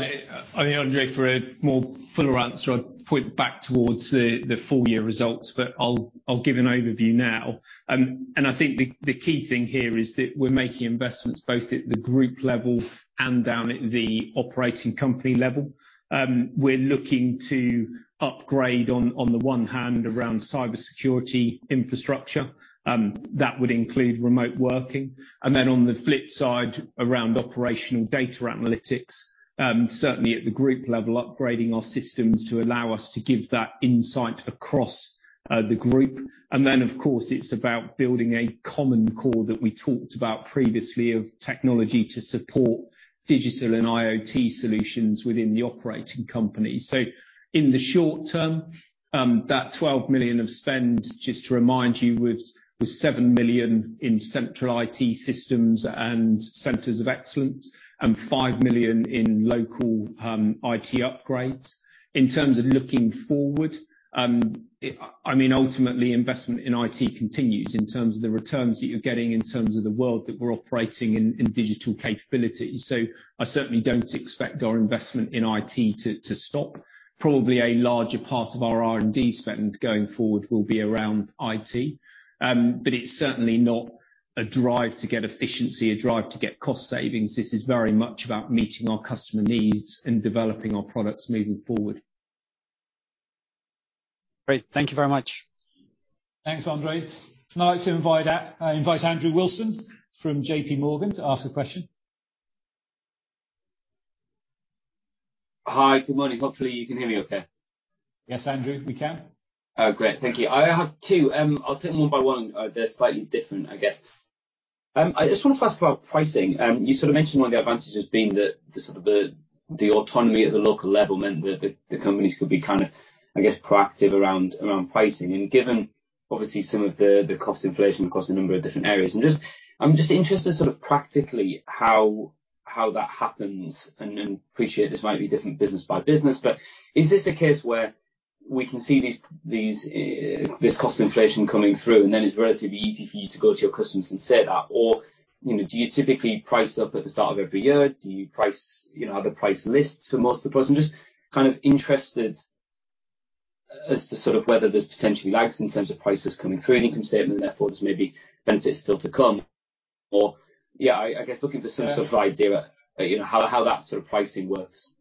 I mean, Andre, for a more fuller answer, I'd point back towards the full year results, but I'll give an overview now. I think the key thing here is that we're making investments both at the group level and down at the operating company level. We're looking to upgrade on the one hand around cybersecurity infrastructure that would include remote working. On the flip side, around operational data analytics, certainly at the group level, upgrading our systems to allow us to give that insight across the group. Of course, it's about building a common core that we talked about previously of technology to support digital and IoT solutions within the operating company. In the short term, that 12 million of spend, just to remind you, was 7 million in central IT systems and centers of excellence and five million in local IT upgrades. In terms of looking forward, I mean, ultimately, investment in IT continues in terms of the returns that you're getting, in terms of the world that we're operating in digital capability. I certainly don't expect our investment in IT to stop. Probably a larger part of our R&D spend going forward will be around IT. But it's certainly not a drive to get efficiency, a drive to get cost savings. This is very much about meeting our customer needs and developing our products moving forward. Great. Thank you very much. Thanks, Andre. Now I invite Andrew Wilson from JPMorgan to ask a question. Hi. Good morning. Hopefully you can hear me okay. Yes, Andrew, we can. Oh, great. Thank you. I have two, I'll take them one by one. They're slightly different, I guess. I just wanna first about pricing. You sort of mentioned one of the advantages being that the sort of autonomy at the local level meant that the companies could be kind of, I guess, proactive around pricing. Given, obviously, some of the cost inflation across a number of different areas, I'm just interested sort of practically how that happens. I appreciate this might be different business by business, but is this a case where we can see these this cost inflation coming through, and then it's relatively easy for you to go to your customers and say that? Or, you know, do you typically price up at the start of every year? Do you price, you know, are there price lists for most of the. I'm just kind of interested as to sort of whether there's potentially lags in terms of prices coming through any statement, therefore, there's maybe benefits still to come or. Yeah, I guess looking for some sort of idea, you know, how that sort of pricing works.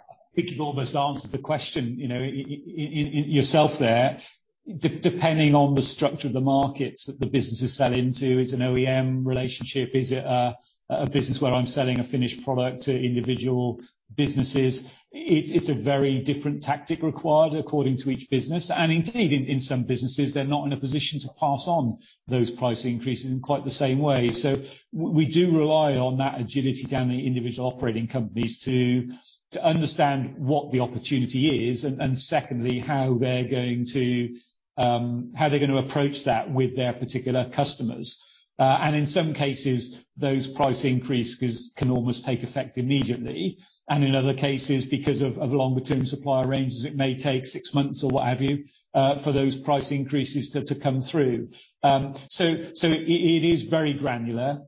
I think you've almost answered the question, you know, yourself there. Depending on the structure of the markets that the businesses sell into, it's an OEM relationship. Is it a business where I'm selling a finished product to individual businesses? It's a very different tactic required according to each business. Indeed, in some businesses, they're not in a position to pass on those price increases in quite the same way. We do rely on that agility down the individual operating companies to understand what the opportunity is, and secondly, how they're gonna approach that with their particular customers. And in some cases, those price increases can almost take effect immediately. In other cases, because of longer-term supplier ranges, it may take six months or what have you for those price increases to come through. So it is very granular.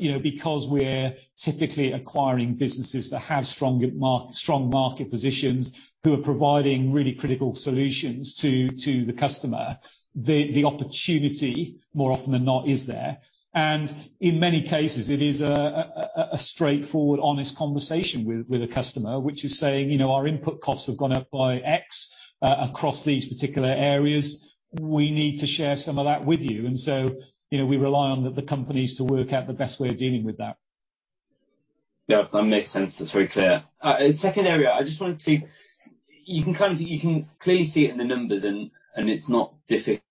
You know, because we're typically acquiring businesses that have strong market positions, who are providing really critical solutions to the customer, the opportunity, more often than not, is there. In many cases, it is a straightforward, honest conversation with the customer, which is saying, "You know, our input costs have gone up by X across these particular areas. We need to share some of that with you." You know, we rely on the companies to work out the best way of dealing with that. Yeah, that makes sense. That's very clear. Second area, you can clearly see it in the numbers and it's not difficult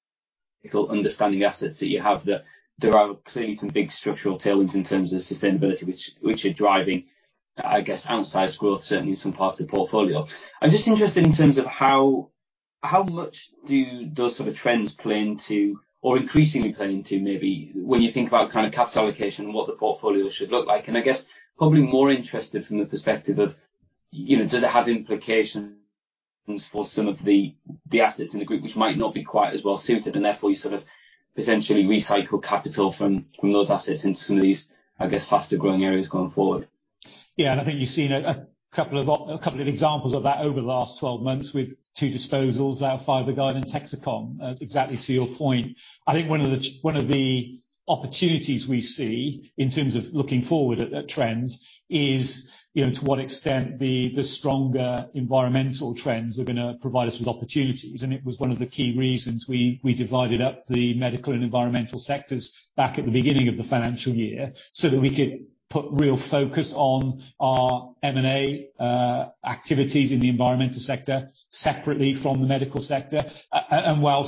understanding the assets that you have, that there are clearly some big structural tailwinds in terms of sustainability which are driving, I guess, outsized growth, certainly in some parts of the portfolio. I'm just interested in terms of how much do sort of trends play into or increasingly play into maybe when you think about kind of capital allocation and what the portfolio should look like. I guess probably more interested from the perspective of, you know, does it have implications for some of the assets in the group which might not be quite as well suited, and therefore you sort of essentially recycle capital from those assets into some of these, I guess, faster-growing areas going forward? Yeah, I think you've seen a couple of examples of that over the last 12 months with two disposals, our Fiberguide and Texecom. Exactly to your point. I think one of the opportunities we see in terms of looking forward at trends is, you know, to what extent the stronger environmental trends are gonna provide us with opportunities. It was one of the key reasons we divided up the medical and environmental sectors back at the beginning of the financial year, so that we could put real focus on our M&A activities in the environmental sector separately from the medical sector. While, you know,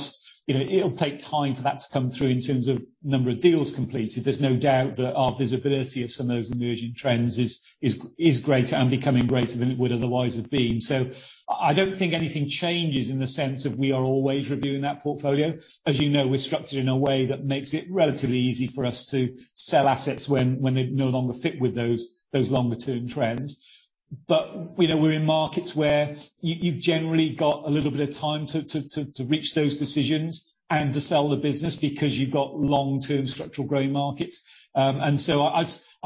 it'll take time for that to come through in terms of number of deals completed, there's no doubt that our visibility of some of those emerging trends is greater and becoming greater than it would otherwise have been. I don't think anything changes in the sense of we are always reviewing that portfolio. As you know, we're structured in a way that makes it relatively easy for us to sell assets when they no longer fit with those longer-term trends. We know we're in markets where you've generally got a little bit of time to reach those decisions and to sell the business because you've got long-term structural growth markets. I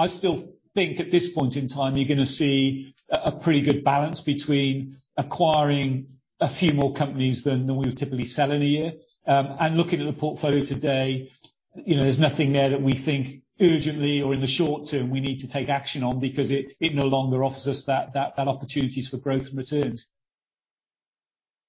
still think at this point in time, you're gonna see a pretty good balance between acquiring a few more companies than we would typically sell in a year. Looking at the portfolio today, you know, there's nothing there that we think urgently or in the short term we need to take action on because it no longer offers us that opportunities for growth and returns.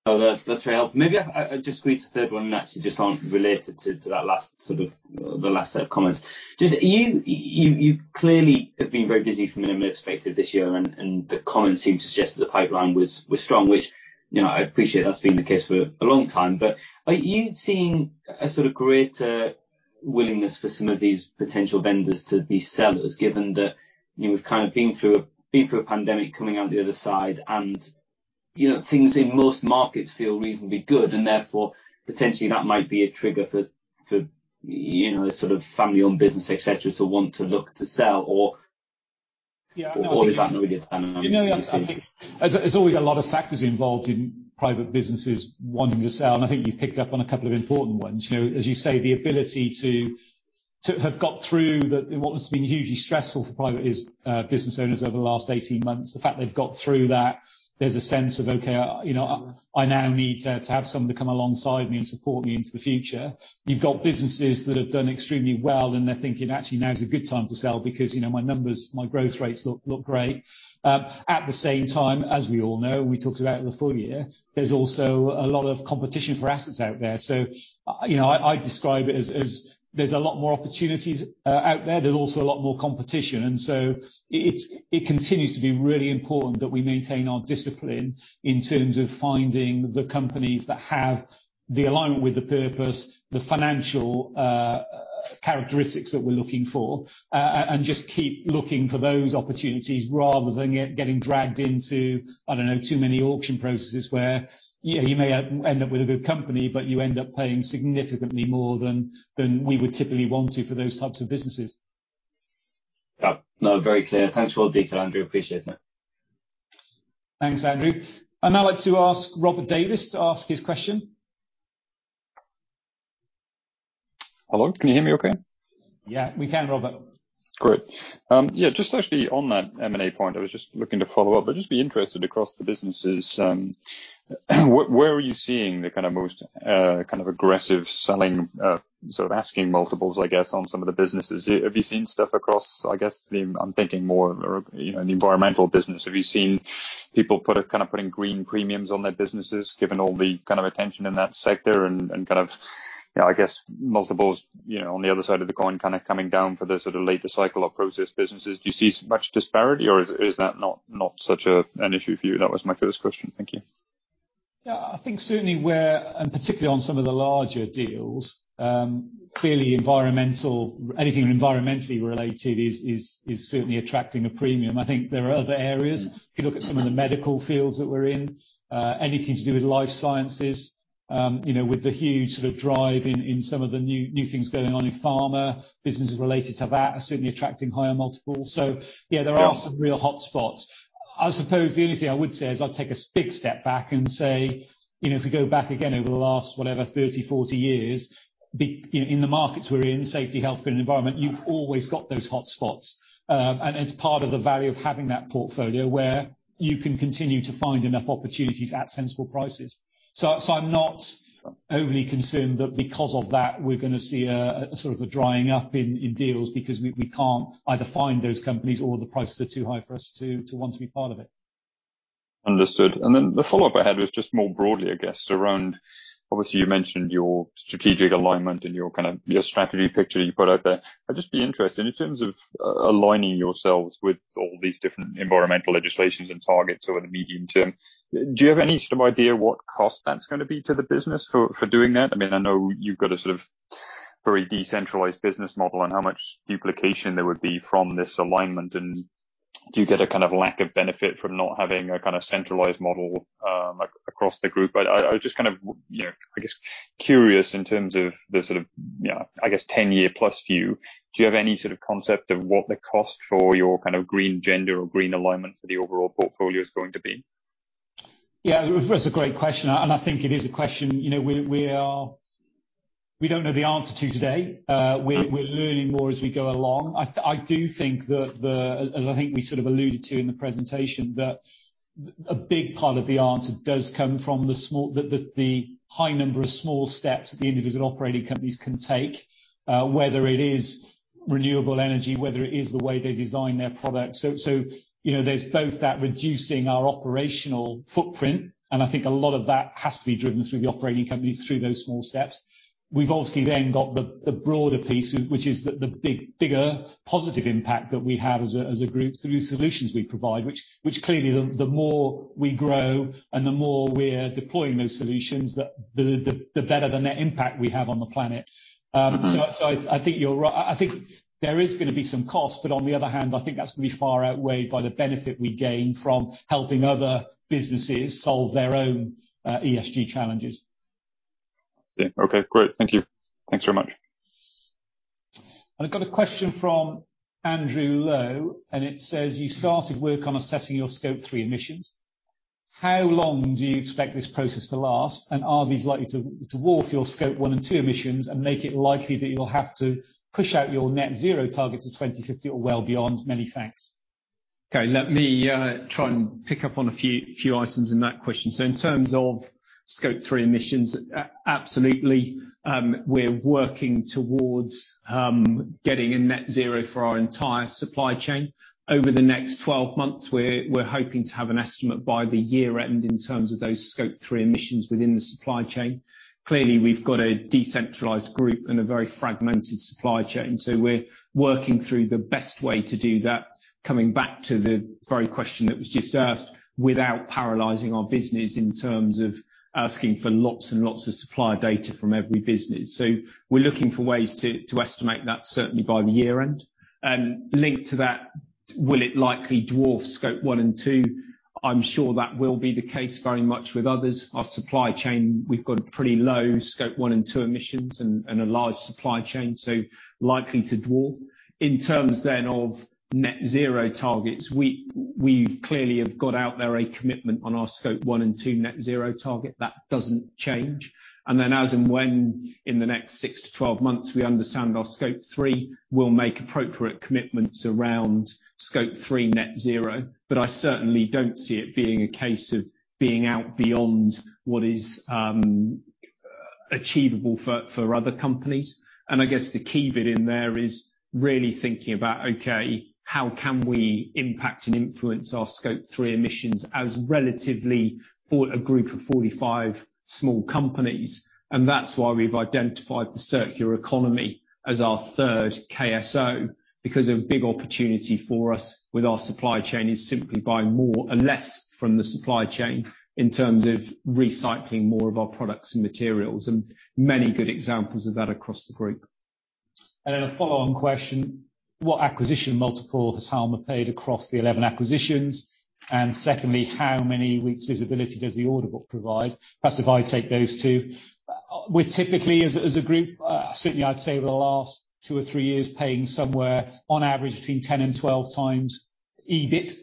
Oh, that's very helpful. Maybe I'll just squeeze a third one actually just on related to that last sort of set of comments. Just you clearly have been very busy from a M&A perspective this year and the comments seem to suggest that the pipeline was strong, which, you know, I appreciate that's been the case for a long time. Are you seeing a sort of greater willingness for some of these potential vendors to be sellers, given that, you know, we've kind of been through a pandemic coming out the other side and, you know, things in most markets feel reasonably good and therefore potentially that might be a trigger for you know, sort of family-owned business, et cetera, to want to look to sell or- Yeah. Is that not a good plan? You know, I think there's always a lot of factors involved in private businesses wanting to sell, and I think you've picked up on a couple of important ones. You know, as you say, the ability to have got through what must have been hugely stressful for private business owners over the last 18 months. The fact they've got through that, there's a sense of, okay, you know, I now need to have somebody come alongside me and support me into the future. You've got businesses that have done extremely well, and they're thinking, "Actually, now is a good time to sell because, you know, my numbers, my growth rates look great." At the same time, as we all know, we talked about in the full year, there's also a lot of competition for assets out there. You know, I describe it as there's a lot more opportunities out there. There's also a lot more competition, and it's really important that we maintain our discipline in terms of finding the companies that have the alignment with the purpose, the financial characteristics that we're looking for, and just keep looking for those opportunities rather than getting dragged into, I don't know, too many auction processes where, you know, you may end up with a good company, but you end up paying significantly more than we would typically want to for those types of businesses. Got it. No, very clear. Thanks for all the detail, Andrew. Appreciate it. Thanks, Andrew. I'd now like to ask Robert Davies to ask his question. Hello? Can you hear me okay? Yeah, we can, Robert. Great. Yeah, just actually on that M&A point, I was just looking to follow up. I'd just be interested across the businesses, where are you seeing the kinda most kind of aggressive selling sort of asking multiples, I guess, on some of the businesses? Have you seen stuff across, I guess the... I'm thinking more, you know, in the environmental business. Have you seen people put a kind of putting green premiums on their businesses, given all the kind of attention in that sector and kind of, you know, I guess multiples, you know, on the other side of the coin kinda coming down for the sort of later cycle or process businesses? Do you see much disparity, or is that not such an issue for you? That was my first question. Thank you. Yeah. I think certainly where and particularly on some of the larger deals, clearly environmental, anything environmentally related is certainly attracting a premium. I think there are other areas. If you look at some of the medical fields that we're in, anything to do with life sciences, you know, with the huge sort of drive in some of the new things going on in pharma, businesses related to that are certainly attracting higher multiples. Yeah, there are some real hotspots. I suppose the only thing I would say is I'd take a big step back and say, you know, if we go back again over the last, whatever, 30, 40 years, in the markets we're in, safety, health, and environment, you've always got those hotspots. It's part of the value of having that portfolio where you can continue to find enough opportunities at sensible prices. I'm not overly concerned that because of that, we're gonna see a sort of drying up in deals because we can't either find those companies or the prices are too high for us to want to be part of it. Understood. The follow-up I had was just more broadly, I guess, around obviously you mentioned your strategic alignment and your kind of, your strategy picture you put out there. I'd just be interested in terms of aligning yourselves with all these different environmental legislations and targets over the medium term, do you have any sort of idea what cost that's gonna be to the business for doing that? I mean, I know you've got a sort of very decentralized business model and how much duplication there would be from this alignment. Do you get a kind of lack of benefit from not having a kind of centralized model, across the group? I was just kind of, you know, I guess curious in terms of the sort of, you know, I guess ten-year plus view. Do you have any sort of concept of what the cost for your kind of green agenda or green alignment for the overall portfolio is going to be? Yeah, that's a great question, and I think it is a question, you know, we are. We don't know the answer today. We're learning more as we go along. I do think that we sort of alluded to in the presentation that a big part of the answer does come from the small, the high number of small steps the individual operating companies can take, whether it is renewable energy, whether it is the way they design their products. You know, there's both that reducing our operational footprint, and I think a lot of that has to be driven through the operating companies through those small steps. We've obviously got the broader piece, which is the bigger positive impact that we have as a group through solutions we provide, which clearly the more we grow and the more we're deploying those solutions, the better the net impact we have on the planet. I think you're right. I think there is gonna be some cost, but on the other hand, I think that's gonna be far outweighed by the benefit we gain from helping other businesses solve their own ESG challenges. Yeah. Okay, great. Thank you. Thanks very much. I've got a question from Andrew Lowe, and it says, "You started work on assessing your Scope three emissions. How long do you expect this process to last, and are these likely to dwarf your Scope one and two emissions and make it likely that you'll have to push out your net zero target to 2050 or well beyond? Many thanks." Okay, let me try and pick up on a few items in that question. In terms of Scope three emissions, absolutely, we're working towards getting a net zero for our entire supply chain. Over the next 12 months, we're hoping to have an estimate by the year end in terms of those Scope three emissions within the supply chain. Clearly, we've got a decentralized group and a very fragmented supply chain, so we're working through the best way to do that. Coming back to the very question that was just asked, without paralyzing our business in terms of asking for lots and lots of supplier data from every business. We're looking for ways to estimate that certainly by the year end. Linked to that, will it likely dwarf Scope one and two? I'm sure that will be the case very much with others. Our supply chain, we've got pretty low Scope one and two emissions and a large supply chain, so likely to dwarf. In terms then of net zero targets, we clearly have got out there a commitment on our Scope one and two net zero target. That doesn't change. As and when in the next six to 12 months, we understand our Scope three, we'll make appropriate commitments around Scope three net zero. I certainly don't see it being a case of being out beyond what is achievable for other companies. I guess the key bit in there is really thinking about, okay, how can we impact and influence our Scope three emissions especially for a group of 45 small companies? That's why we've identified the circular economy as our third KSO, because a big opportunity for us with our supply chain is simply buying more and less from the supply chain in terms of recycling more of our products and materials, and many good examples of that across the group. Then a follow-on question, what acquisition multiple has Halma paid across the 11 acquisitions? Secondly, how many weeks visibility does the order book provide? Perhaps if I take those two. We're typically as a group, certainly I'd say the last two or three years, paying somewhere on average between 10-12 times EBIT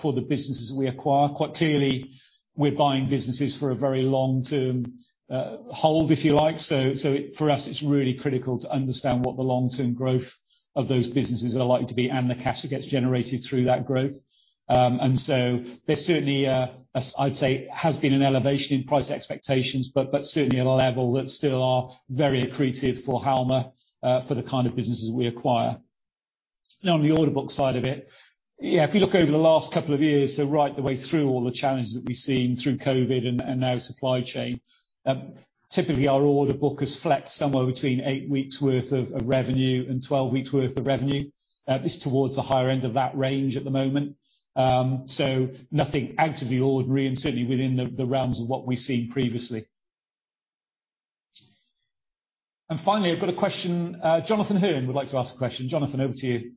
for the businesses we acquire. Quite clearly we're buying businesses for a very long-term hold, if you like. For us, it's really critical to understand what the long-term growth of those businesses are likely to be and the cash that gets generated through that growth. There's certainly, as I'd say, has been an elevation in price expectations, but certainly at a level that still are very accretive for Halma for the kind of businesses we acquire. Now, on the order book side of it, yeah, if you look over the last couple of years, so right the way through all the challenges that we've seen through COVID and now supply chain, typically our order book has flexed somewhere between eight weeks' worth of revenue and 12 weeks' worth of revenue. It's towards the higher end of that range at the moment. So nothing out of the ordinary and certainly within the realms of what we've seen previously. Finally, I've got a question. Jonathan Hurn would like to ask a question. Jonathan, over to you.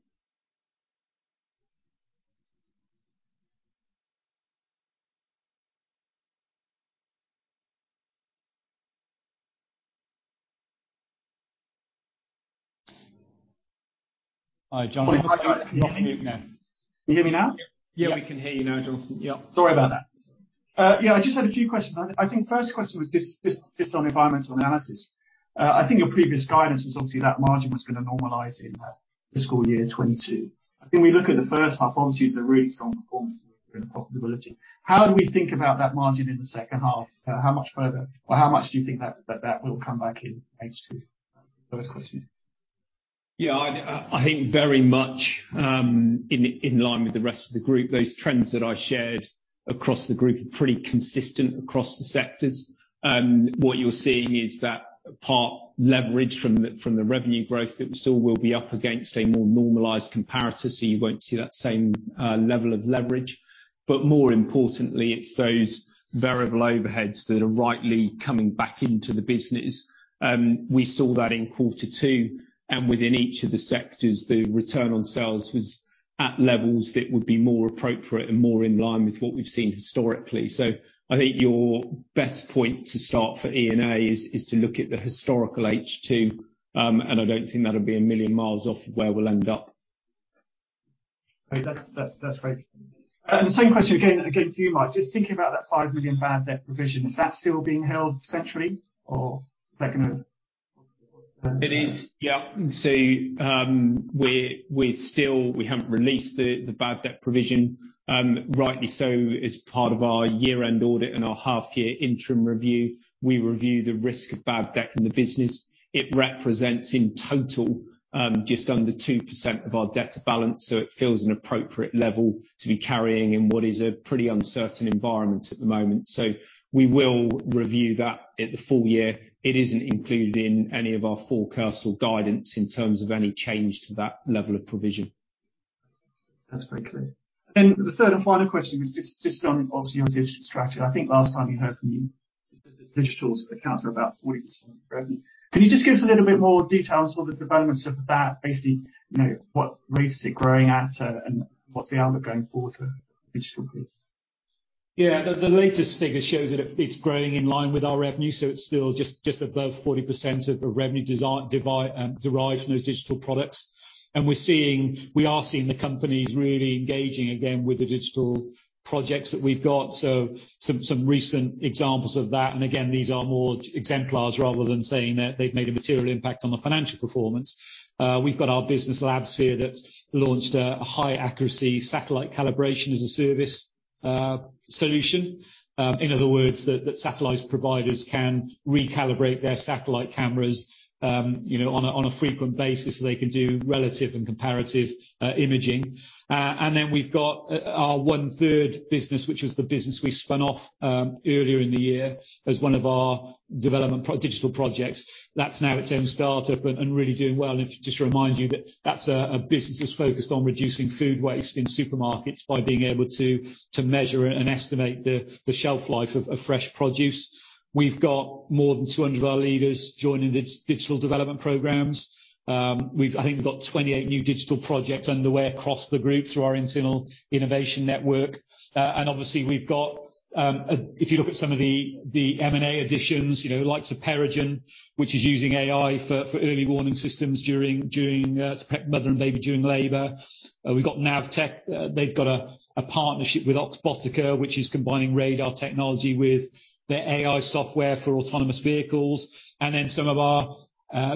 [Hi, Jonathan.] Can you hear me now? Yeah, we can hear you now, Jonathan. Yeah. Sorry about that. Yeah, I just had a few questions. I think first question was just on environmental analysis. I think your previous guidance was obviously that margin was gonna normalize in fiscal year 2022. I think we look at the first half, obviously, it's a really strong performance in profitability. How do we think about that margin in the second half? How much further or how much do you think that will come back in H2? First question. Yeah, I think very much in line with the rest of the group, those trends that I shared across the group are pretty consistent across the sectors. What you're seeing is that part leverage from the revenue growth that we saw will be up against a more normalized comparator, so you won't see that same level of leverage. More importantly, it's those variable overheads that are rightly coming back into the business. We saw that in quarter two, and within each of the sectors, the Return on Sales was at levels that would be more appropriate and more in line with what we've seen historically. I think your best point to start for E&A is to look at the historical H2, and I don't think that'll be a million miles off where we'll end up. Okay. That's great. The same question again for you, Mike. Just thinking about that GBP 5 million bad debt provision, is that still being held essentially, or is that gonna- It is. Yeah. We're still. We haven't released the bad debt provision, rightly so as part of our year-end audit and our half-year interim review. We review the risk of bad debt in the business. It represents in total just under 2% of our debtor balance, so it feels an appropriate level to be carrying in what is a pretty uncertain environment at the moment. We will review that at the full year. It isn't included in any of our forecasts or guidance in terms of any change to that level of provision. That's very clear. The third and final question was just on obviously on your digital strategy. I think last time we heard from you is that the digital accounts are about 40% revenue. Can you just give us a little bit more detail on some of the developments of that, basically, you know, what rates is it growing at, and what's the outlook going forward for digital please? Yeah. The latest figure shows that it's growing in line with our revenue, so it's still just above 40% of the revenue derived from those digital products. We're seeing the companies really engaging again with the digital projects that we've got. Some recent examples of that, and again, these are more exemplars rather than saying that they've made a material impact on the financial performance. We've got our business Labsphere that launched a high accuracy satellite calibration as a service solution. In other words, that satellite providers can recalibrate their satellite cameras, you know, on a frequent basis, so they can do relative and comparative imaging. We've got our OneThird business, which was the business we spun off earlier in the year as one of our development digital projects. That's now its own startup and really doing well. Just to remind you that that's a business that's focused on reducing food waste in supermarkets by being able to measure and estimate the shelf life of fresh produce. We've got more than 200 of our leaders joining digital development programs. I think we've got 28 new digital projects underway across the group through our internal innovation network. Obviously we've got, if you look at some of the M&A additions, you know, the likes of PeriGen, which is using AI for early warning systems during to prep mother and baby during labor. We've got Navtech. They've got a partnership with Oxbotica, which is combining radar technology with their AI software for autonomous vehicles. Some of our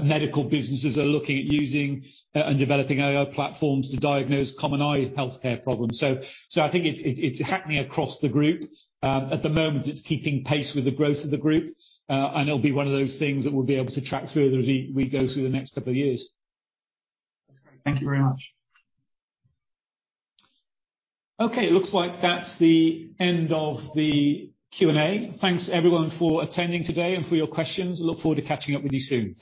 medical businesses are looking at using and developing AI platforms to diagnose common eye healthcare problems. I think it's happening across the group. At the moment, it's keeping pace with the growth of the group, and it'll be one of those things that we'll be able to track further as we go through the next couple of years. Thank you very much. Okay, it looks like that's the end of the Q&A. Thanks everyone for attending today and for your questions. I look forward to catching up with you soon.